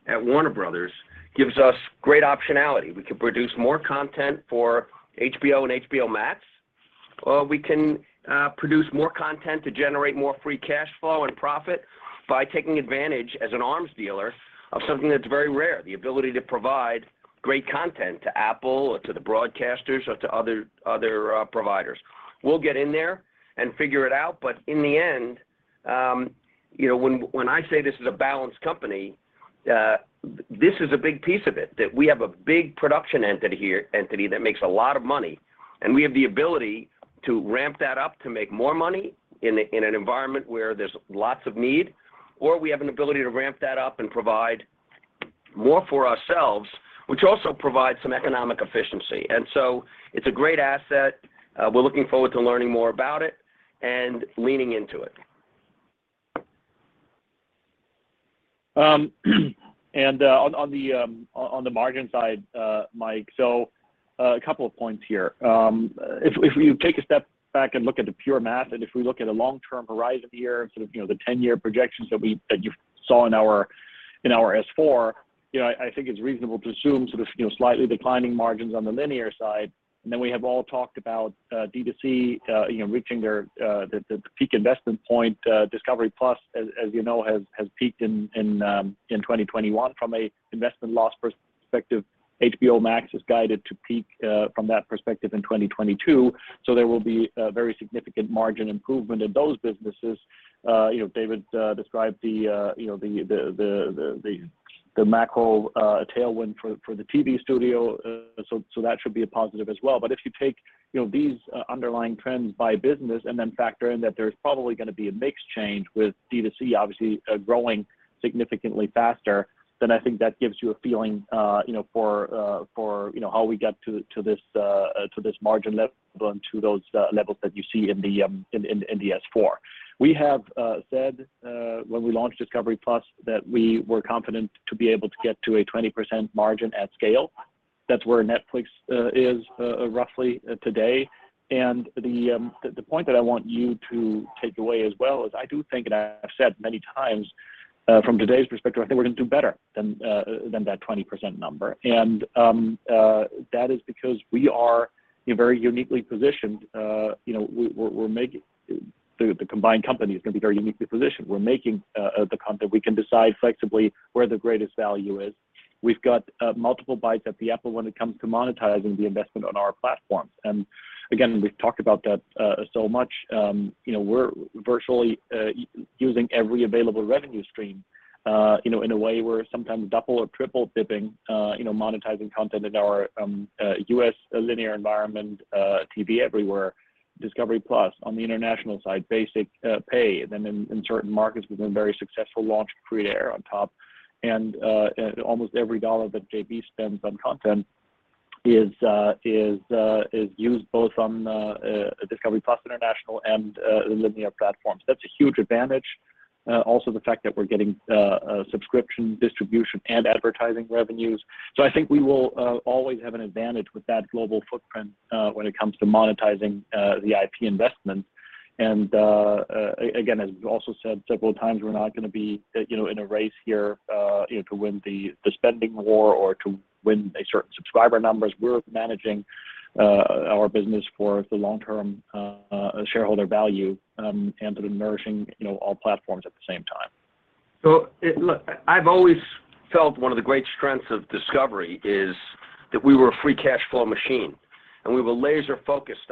at Warner Bros. gives us great optionality. We can produce more content for HBO and HBO Max, or we can produce more content to generate more free cash flow and profit by taking advantage as an arms dealer of something that's very rare, the ability to provide great content to Apple or to the broadcasters or to other providers. We'll get in there and figure it out. In the end, you know, when I say this is a balanced company, this is a big piece of it, that we have a big production entity here that makes a lot of money, and we have the ability to ramp that up to make more money in an environment where there's lots of need, or we have an ability to ramp that up and provide more for ourselves, which also provides some economic efficiency. It's a great asset. We're looking forward to learning more about it and leaning into it. On the margin side, Michael, so a couple of points here. If you take a step back and look at the pure math, and if we look at a long-term horizon here, sort of, you know, the 10-year projections that you saw in our S-4, you know, I think it's reasonable to assume sort of, you know, slightly declining margins on the linear side. Then we have all talked about D2C, you know, reaching the peak investment point. Discovery+, as you know, has peaked in 2021 from an investment loss perspective. HBO Max is guided to peak from that perspective in 2022. There will be a very significant margin improvement in those businesses. You know, David described the macro tailwind for the TV studio, so that should be a positive as well. If you take, you know, these underlying trends by business and then factor in that there's probably gonna be a mix change with D2C obviously growing significantly faster, then I think that gives you a feeling, you know, for how we get to this margin level and to those levels that you see in the S-4. We have said when we launched Discovery+ that we were confident to be able to get to a 20% margin at scale. That's where Netflix is roughly today. The point that I want you to take away as well is I do think, and I've said many times, from today's perspective, I think we're gonna do better than that 20% number. That is because we are, you know, very uniquely positioned. You know, we're making. The combined company is gonna be very uniquely positioned. We're making the content. We can decide flexibly where the greatest value is. We've got multiple bites at the apple when it comes to monetizing the investment on our platforms. Again, we've talked about that so much. You know, we're virtually using every available revenue stream. You know, in a way we're sometimes double or triple dipping. You know, monetizing content in our U.S. linear environment, TV Everywhere, Discovery+ on the international side, basic pay. In certain markets, we've been very successful launching free-to-air on top. Almost every dollar that JB spends on content is used both on Discovery+ International and the linear platforms. That's a huge advantage. Also the fact that we're getting subscription distribution and advertising revenues. I think we will always have an advantage with that global footprint when it comes to monetizing the IP investment. Again, as we also said several times, we're not gonna be, you know, in a race here, you know, to win the spending war or to win a certain subscriber numbers. We're managing our business for the long-term shareholder value, and nourishing, you know, all platforms at the same time. Look, I've always felt one of the great strengths of Discovery, Inc. is that we were a free cash flow machine, and we were laser focused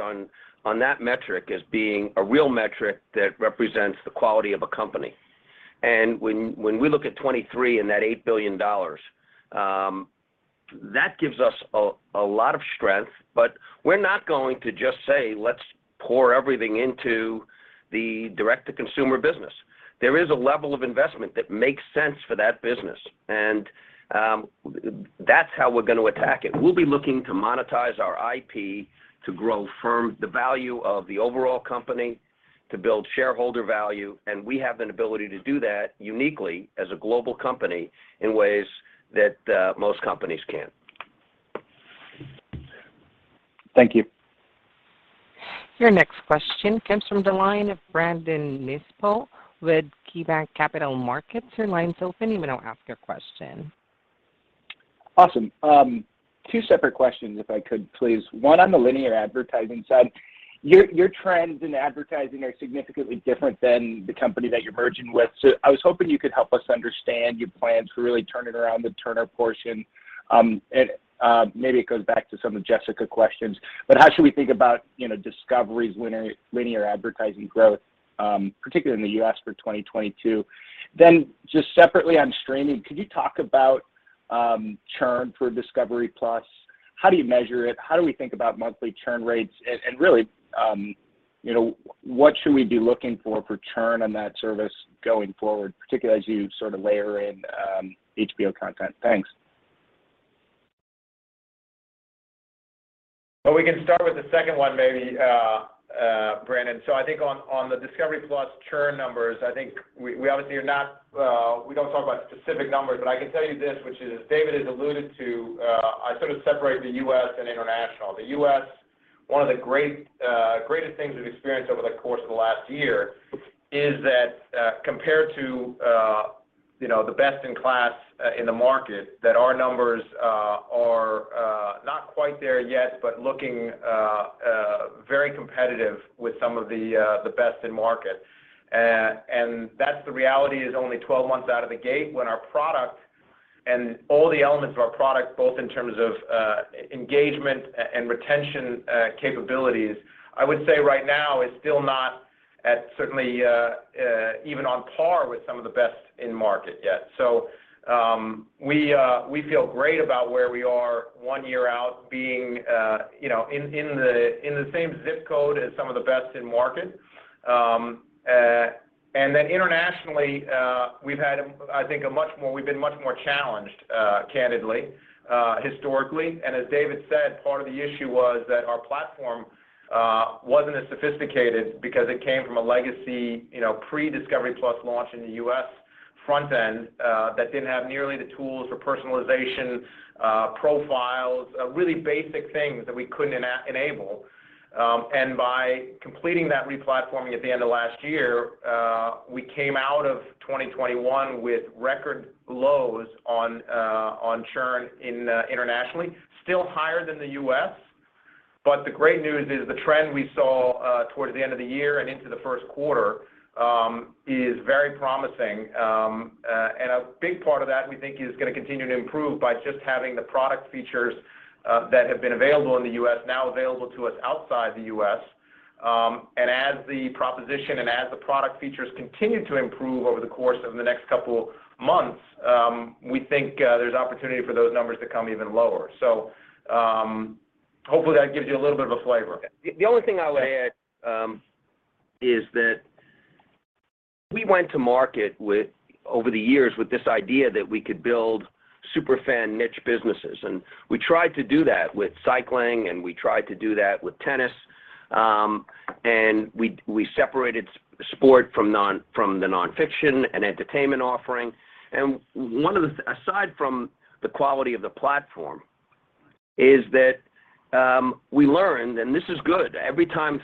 on that metric as being a real metric that represents the quality of a company. When we look at 2023 and that $8 billion, that gives us a lot of strength. We're not going to just say, let's pour everything into the direct-to-consumer business. There is a level of investment that makes sense for that business, and that's how we're gonna attack it. We'll be looking to monetize our IP to grow the firm value of the overall company to build shareholder value, and we have an ability to do that uniquely as a global company in ways that most companies can't. Thank you. Your next question comes from the line of Brandon Nispel with KeyBanc Capital Markets. Your line's open. You may now ask your question. Awesome. Two separate questions if I could please. One on the linear advertising side. Your trends in advertising are significantly different than the company that you're merging with. I was hoping you could help us understand your plans to really turn it around the Turner portion. And maybe it goes back to some of Jessica's questions, but how should we think about, you know, Discovery's linear advertising growth, particularly in the U.S. for 2022? Just separately on streaming, could you talk about churn for Discovery+, how do you measure it? How do we think about monthly churn rates? And really, you know, what should we be looking for for churn on that service going forward, particularly as you sort of layer in HBO content? Thanks. Well, we can start with the second one maybe, Brandon. I think on the Discovery+ churn numbers, I think we obviously are not, we don't talk about specific numbers, but I can tell you this, which is David has alluded to, I sort of separate the U.S. and international. The U.S., one of the greatest things we've experienced over the course of the last year is that, compared to you know, the best in class in the market that our numbers are not quite there yet, but looking very competitive with some of the best in market. That's the reality is only 12 months out of the gate when our product and all the elements of our product, both in terms of engagement and retention capabilities, I would say right now is still not at certainly even on par with some of the best in market yet. We feel great about where we are one year out being you know in the same zip code as some of the best in market. Internationally we've been much more challenged candidly historically. As David said, part of the issue was that our platform wasn't as sophisticated because it came from a legacy, you know, pre-Discovery+ launch in the U.S. front end that didn't have nearly the tools for personalization, profiles, really basic things that we couldn't enable. By completing that re-platforming at the end of last year, we came out of 2021 with record lows on churn internationally. Still higher than the U.S., but the great news is the trend we saw towards the end of the year and into the first quarter is very promising. A big part of that we think is gonna continue to improve by just having the product features that have been available in the U.S. now available to us outside the U.S. As the proposition and product features continue to improve over the course of the next couple months, we think there's opportunity for those numbers to come even lower. Hopefully that gives you a little bit of a flavor. The only thing I'll add is that we went to market over the years with this idea that we could build super fan niche businesses. We tried to do that with cycling, and we tried to do that with tennis. We separated sports from the non-fiction and entertainment offering. One of the, aside from the quality of the platform, is that we learned, and this is good, every time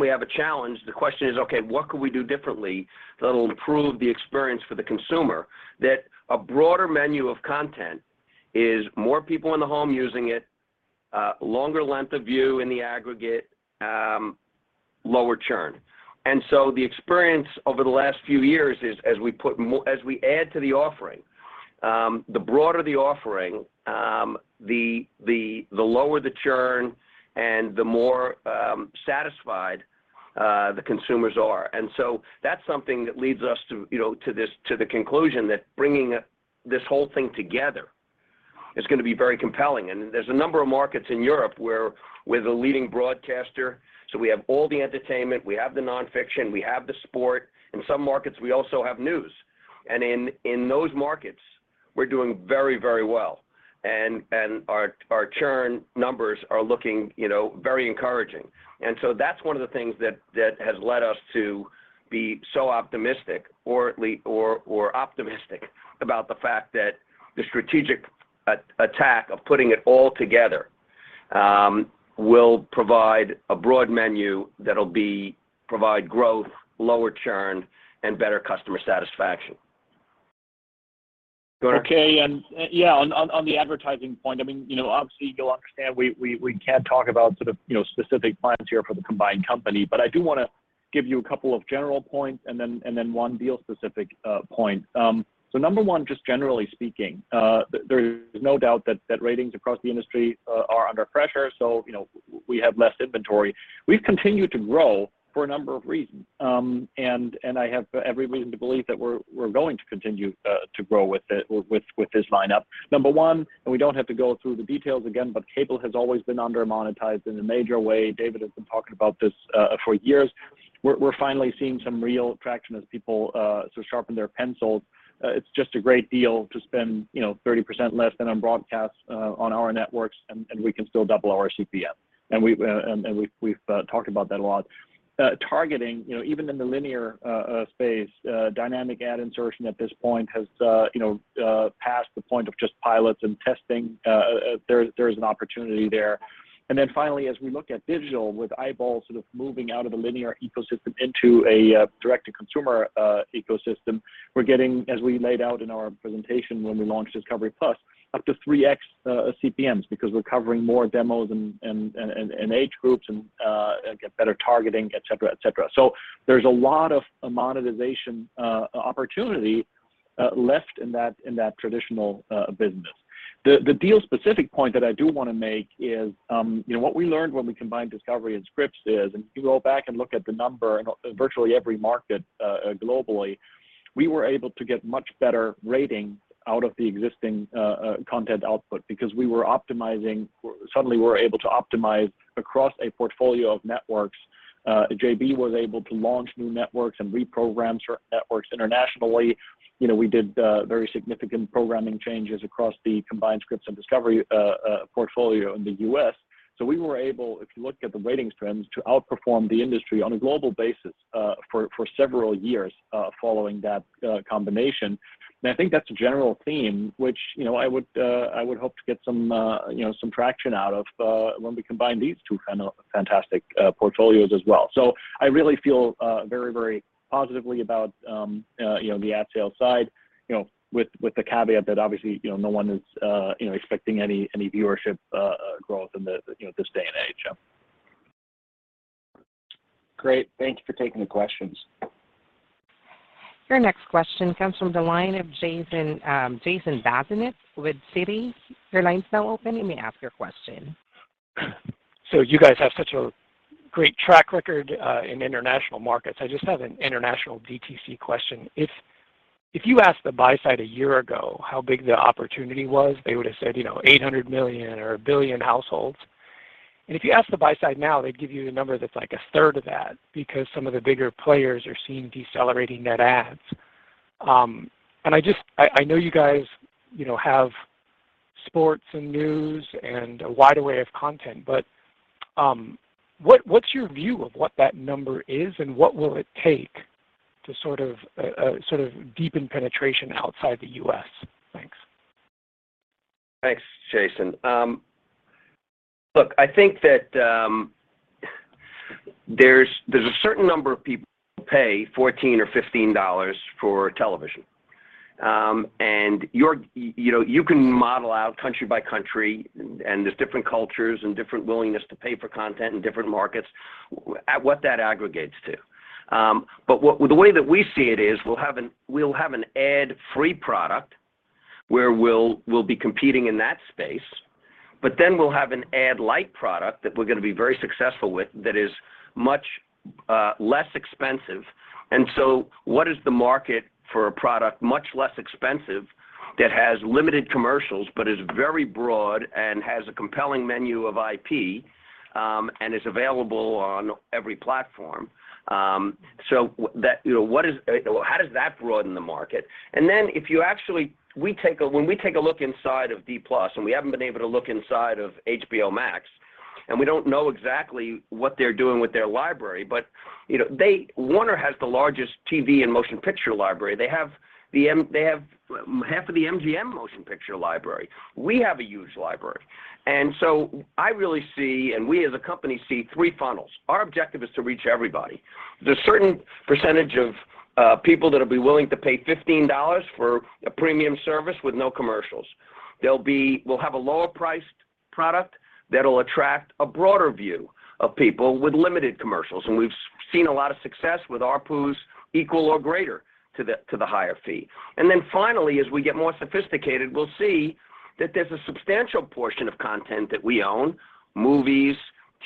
we have a challenge, the question is, "Okay, what could we do differently that'll improve the experience for the consumer." That a broader menu of content is more people in the home using it, longer length of view in the aggregate, lower churn. The experience over the last few years is as we add to the offering, the broader the offering, the lower the churn and the more satisfied the consumers are. That's something that leads us to, you know, to this, to the conclusion that bringing this whole thing together is gonna be very compelling. There's a number of markets in Europe where we're the leading broadcaster, so we have all the entertainment, we have the nonfiction, we have the sport. In some markets, we also have news. In those markets, we're doing very, very well. Our churn numbers are looking, you know, very encouraging. That's one of the things that has led us to be so optimistic about the fact that the strategic attack of putting it all together will provide a broad menu that'll provide growth, lower churn, and better customer satisfaction. Go ahead. Okay. Yeah, on the advertising point, I mean, you know, obviously you'll understand we can't talk about sort of, you know, specific plans here for the combined company, but I do wanna give you a couple of general points and then one deal-specific point. Number one, just generally speaking, there's no doubt that ratings across the industry are under pressure. You know, we have less inventory. We've continued to grow for a number of reasons. I have every reason to believe that we're going to continue to grow with this lineup. Number one, and we don't have to go through the details again, but cable has always been under-monetized in a major way. David has been talking about this for years. We're finally seeing some real traction as people so sharpen their pencils. It's just a great deal to spend, you know, 30% less than on broadcast, on our networks and we can still double our CPM. We've talked about that a lot, targeting you know even in the linear space, dynamic ad insertion at this point has you know passed the point of just pilots and testing. There is an opportunity there. Then finally, as we look at digital with eyeballs sort of moving out of the linear ecosystem into a direct-to-consumer ecosystem, we're getting, as we laid out in our presentation when we launched Discovery+, up to 3x CPMs because we're covering more demos and age groups and get better targeting, et cetera. There's a lot of monetization opportunity left in that traditional business. The deal specific point that I do wanna make is, you know, what we learned when we combined Discovery, Inc. and Scripps is. If you go back and look at the number in virtually every market globally, we were able to get much better ratings out of the existing content output because suddenly we were able to optimize across a portfolio of networks. JB was able to launch new networks and reprogram certain networks internationally. You know, we did very significant programming changes across the combined Scripps and Discovery, Inc. portfolio in the U.S. We were able, if you look at the ratings trends, to outperform the industry on a global basis for several years following that combination. I think that's a general theme, which, you know, I would hope to get some, you know, some traction out of, when we combine these two kind of fantastic portfolios as well. I really feel very, very positively about, you know, the ad sales side, you know, with the caveat that obviously, you know, no one is, you know, expecting any viewership growth you know, this day and age. Yeah. Great. Thank you for taking the questions. Your next question comes from the line of Jason Bazinet with Citi. Your line's now open. You may ask your question. You guys have such a great track record in international markets. I just have an international DTC question. If you asked the buy side a year ago how big the opportunity was, they would have said 800 million or 1 billion households. If you ask the buy side now, they'd give you a number that's like a third of that because some of the bigger players are seeing decelerating net adds. I know you guys have sports and news and a wide array of content, but what's your view of what that number is, and what will it take to sort of deepen penetration outside the U.S.? Thanks. Thanks, Jason. Look, I think that there's a certain number of people who pay $14 or $15 for television. You know, you can model out country by country and there's different cultures and different willingness to pay for content in different markets at what that aggregates to. But the way that we see it is we'll have an ad-free product where we'll be competing in that space, but then we'll have an ad-light product that we're gonna be very successful with that is much less expensive. What is the market for a product much less expensive that has limited commercials but is very broad and has a compelling menu of IP and is available on every platform? You know, how does that broaden the market? Then if you when we take a look inside of Discovery+, and we haven't been able to look inside of HBO Max, and we don't know exactly what they're doing with their library. Warner has the largest TV and motion picture library. They have half of the MGM motion picture library. We have a huge library. I really see, and we as a company see three funnels. Our objective is to reach everybody. There's a certain percentage of people that'll be willing to pay $15 for a premium service with no commercials. We'll have a lower priced product that'll attract a broader view of people with limited commercials, and we've seen a lot of success with ARPUs equal or greater to the higher fee. Finally, as we get more sophisticated, we'll see that there's a substantial portion of content that we own, movies,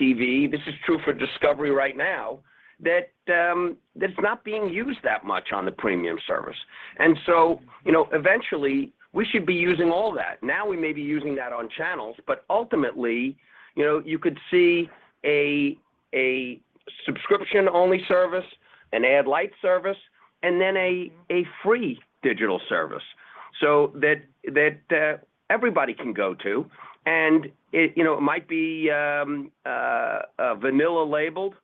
TV, this is true for Discovery, Inc. right now, that's not being used that much on the premium service. You know, eventually, we should be using all that. Now, we may be using that on channels, but ultimately, you know, you could see a subscription only service, an Ad-Lite service, and then a free digital service so that everybody can go to. It you know might be vanilla labeled,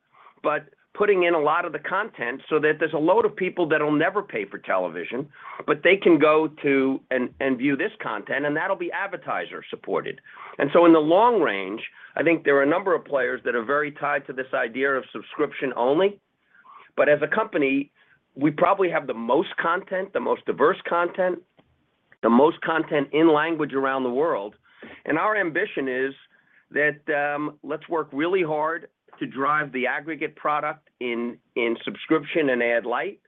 but putting in a lot of the content so that there's a lot of people that'll never pay for television, but they can go to and view this content, and that'll be advertiser supported. In the long run, I think there are a number of players that are very tied to this idea of subscription only. But as a company, we probably have the most content, the most diverse content, the most content in languages around the world. Our ambition is that let's work really hard to drive the aggregate product in subscription and Ad-Lite,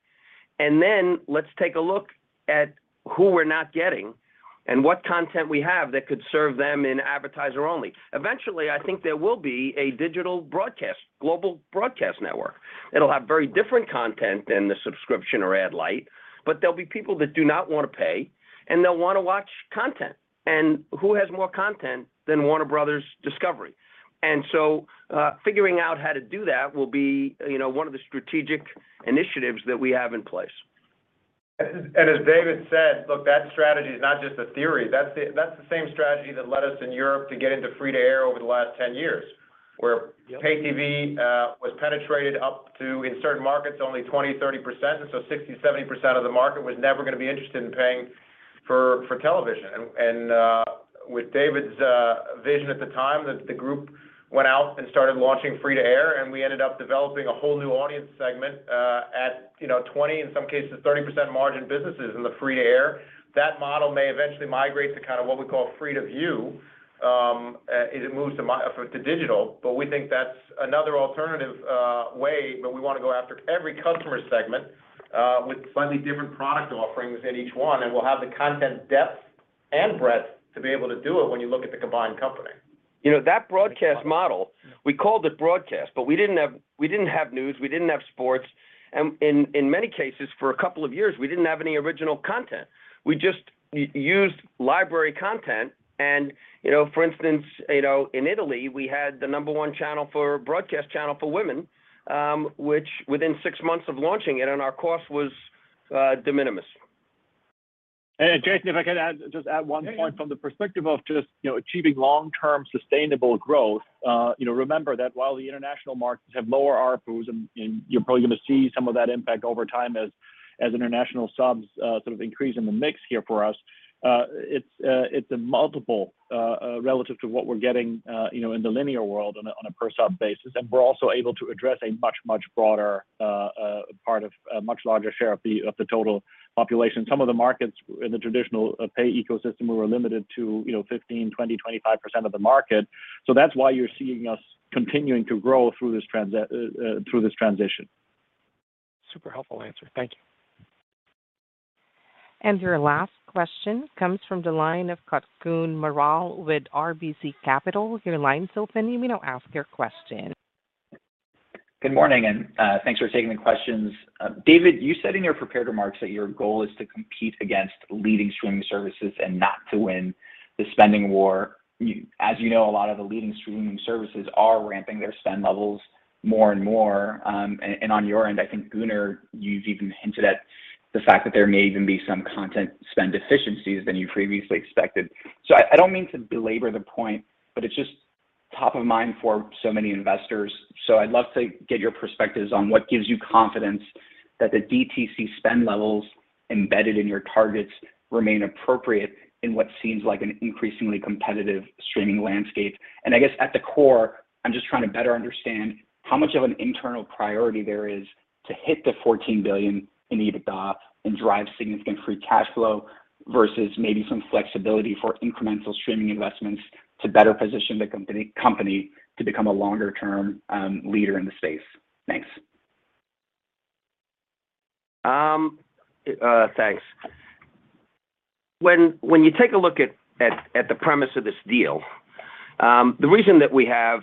and then let's take a look at who we're not getting and what content we have that could serve them in advertiser only. Eventually, I think there will be a digital broadcast, global broadcast network. It'll have very different content than the subscription or Ad-Lite, but there'll be people that do not wanna pay, and they'll wanna watch content. Who has more content than Warner Bros. Discovery? Figuring out how to do that will be, you know, one of the strategic initiatives that we have in place. As David said, look, that strategy is not just a theory. That's the same strategy that led us in Europe to get into free to air over the last 10 years. Where pay TV was penetrated up to, in certain markets, only 20%, 30%. So 60%, 70% of the market was never gonna be interested in paying for television. With David's vision at the time, the group went out and started launching free to air, and we ended up developing a whole new audience segment, you know, at 20%, in some cases 30% margin businesses in the free to air. That model may eventually migrate to kind of what we call free to view, as it moves to digital. We think that's another alternative way, but we wanna go after every customer segment with slightly different product offerings in each one, and we'll have the content depth and breadth to be able to do it when you look at the combined company. You know, that broadcast model, we called it broadcast, but we didn't have news, we didn't have sports. In many cases, for a couple of years, we didn't have any original content. We just used library content and, you know, for instance, you know, in Italy, we had the number one channel for broadcast channel for women, which within six months of launching it and our cost was de minimis. Jason, if I could add, just add one point. Yeah From the perspective of just, you know, achieving long-term sustainable growth. You know, remember that while the international markets have lower ARPU, and you're probably gonna see some of that impact over time as international subs sort of increase in the mix here for us. It's a multiple relative to what we're getting, you know, in the linear world on a per sub basis. We're also able to address a much broader part of a much larger share of the total population. Some of the markets in the traditional pay ecosystem were limited to, you know, 15%, 20%, 25% of the market. That's why you're seeing us continuing to grow through this transition. Super helpful answer. Thank you. Your last question comes from the line of Kutgun Maral with RBC Capital. Your line's open. You may now ask your question. Good morning, thanks for taking the questions. David, you said in your prepared remarks that your goal is to compete against leading streaming services and not to win the spending war. As you know, a lot of the leading streaming services are ramping their spend levels more and more. On your end, I think Gunnar, you've even hinted at the fact that there may even be some content spend efficiencies from what you previously expected. I don't mean to belabor the point, but it's just top of mind for so many investors. I'd love to get your perspectives on what gives you confidence that the DTC spend levels embedded in your targets remain appropriate in what seems like an increasingly competitive streaming landscape. I guess at the core, I'm just trying to better understand how much of an internal priority there is to hit the $14 billion in EBITDA and drive significant free cash flow versus maybe some flexibility for incremental streaming investments to better position the company to become a longer-term leader in the space. Thanks. Thanks. When you take a look at the premise of this deal, the reason that we have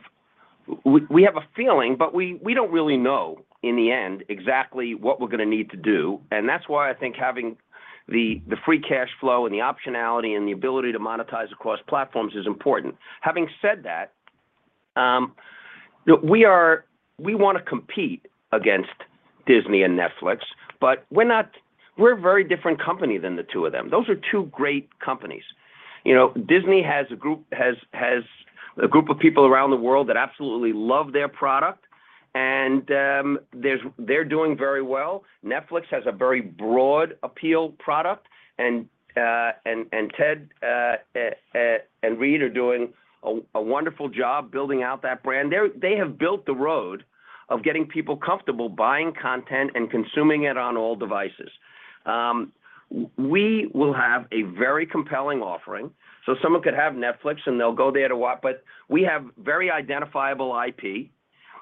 a feeling, but we don't really know in the end exactly what we're gonna need to do, and that's why I think having the free cash flow and the optionality and the ability to monetize across platforms is important. Having said that, we wanna compete against Disney and Netflix, but we're not a very different company than the two of them. Those are two great companies. You know, Disney has a group of people around the world that absolutely love their product and they're doing very well. Netflix has a very broad appeal product and Ted and Reed are doing a wonderful job building out that brand. They have built the road of getting people comfortable buying content and consuming it on all devices. We will have a very compelling offering. Someone could have Netflix and they'll go there to watch, but we have very identifiable IP,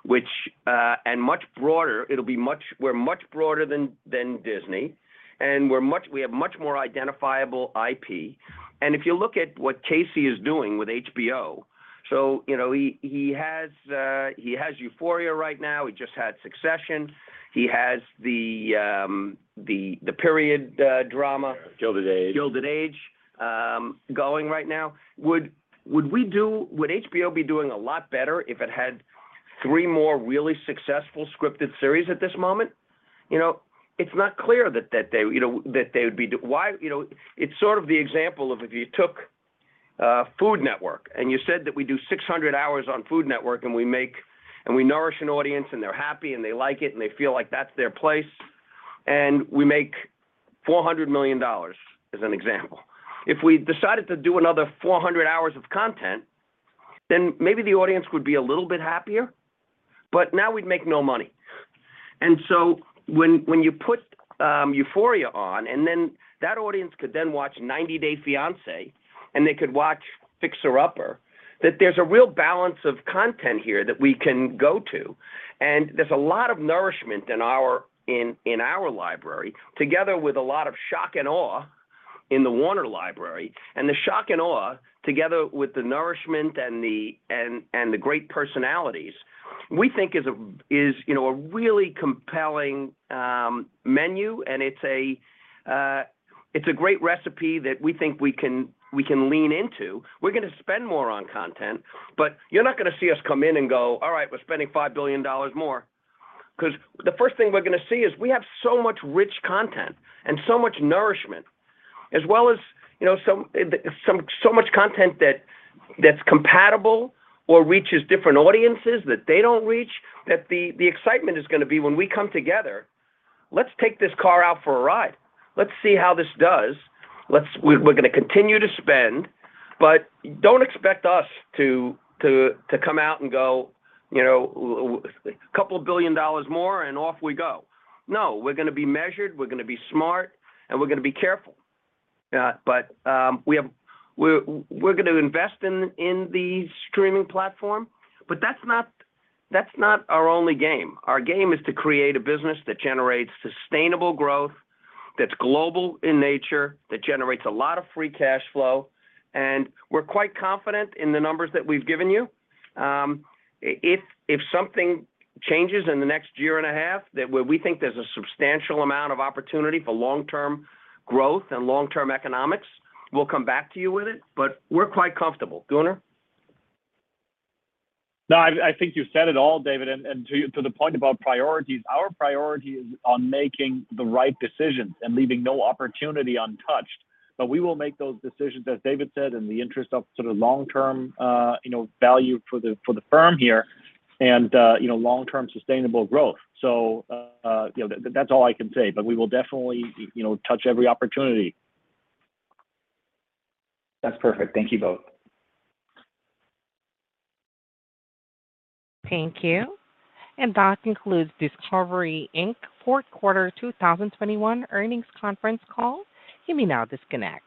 which and much broader. It'll be much. We're much broader than Disney, and we have much more identifiable IP. If you look at what Casey is doing with HBO, you know, he has Euphoria right now. He just had Succession. He has the period drama. Gilded Age Gilded Age going right now. Would HBO be doing a lot better if it had three more really successful scripted series at this moment? You know, it's not clear that they would be doing. Why, you know. It's sort of the example of if you took Food Network and you said that we do 600 hours on Food Network and we nourish an audience and they're happy and they like it and they feel like that's their place, and we make $400 million, as an example. If we decided to do another 400 hours of content, then maybe the audience would be a little bit happier, but now we'd make no money. When you put Euphoria on and then that audience could then watch 90 Day Fiancé and they could watch Fixer Upper, that there's a real balance of content here that we can go to. There's a lot of nourishment in our library together with a lot of shock and awe in the Warner library. The shock and awe together with the nourishment and the great personalities, we think is you know a really compelling menu and it's a great recipe that we think we can lean into. We're gonna spend more on content, but you're not gonna see us come in and go, "All right, we're spending $5 billion more." The first thing we're gonna see is we have so much rich content and so much nourishment, as well as, you know, so much content that's compatible or reaches different audiences that they don't reach. The excitement is gonna be when we come together. Let's take this car out for a ride. Let's see how this does. We're gonna continue to spend, but don't expect us to come out and go, you know, $2 billion more and off we go. No, we're gonna be measured, we're gonna be smart, and we're gonna be careful. We're gonna invest in the streaming platform, but that's not our only game. Our game is to create a business that generates sustainable growth, that's global in nature, that generates a lot of free cash flow. We're quite confident in the numbers that we've given you. If something changes in the next year and a half, that, where we think there's a substantial amount of opportunity for long-term growth and long-term economics, we'll come back to you with it, but we're quite comfortable. Gunnar? No, I think you said it all, David. To the point about priorities, our priority is on making the right decisions and leaving no opportunity untouched. We will make those decisions, as David said, in the interest of sort of long-term, you know, value for the firm here and, you know, long-term sustainable growth. You know, that's all I can say, but we will definitely, you know, touch every opportunity. That's perfect. Thank you both. Thank you. That concludes Discovery, Inc. fourth quarter 2021 earnings conference call. You may now disconnect.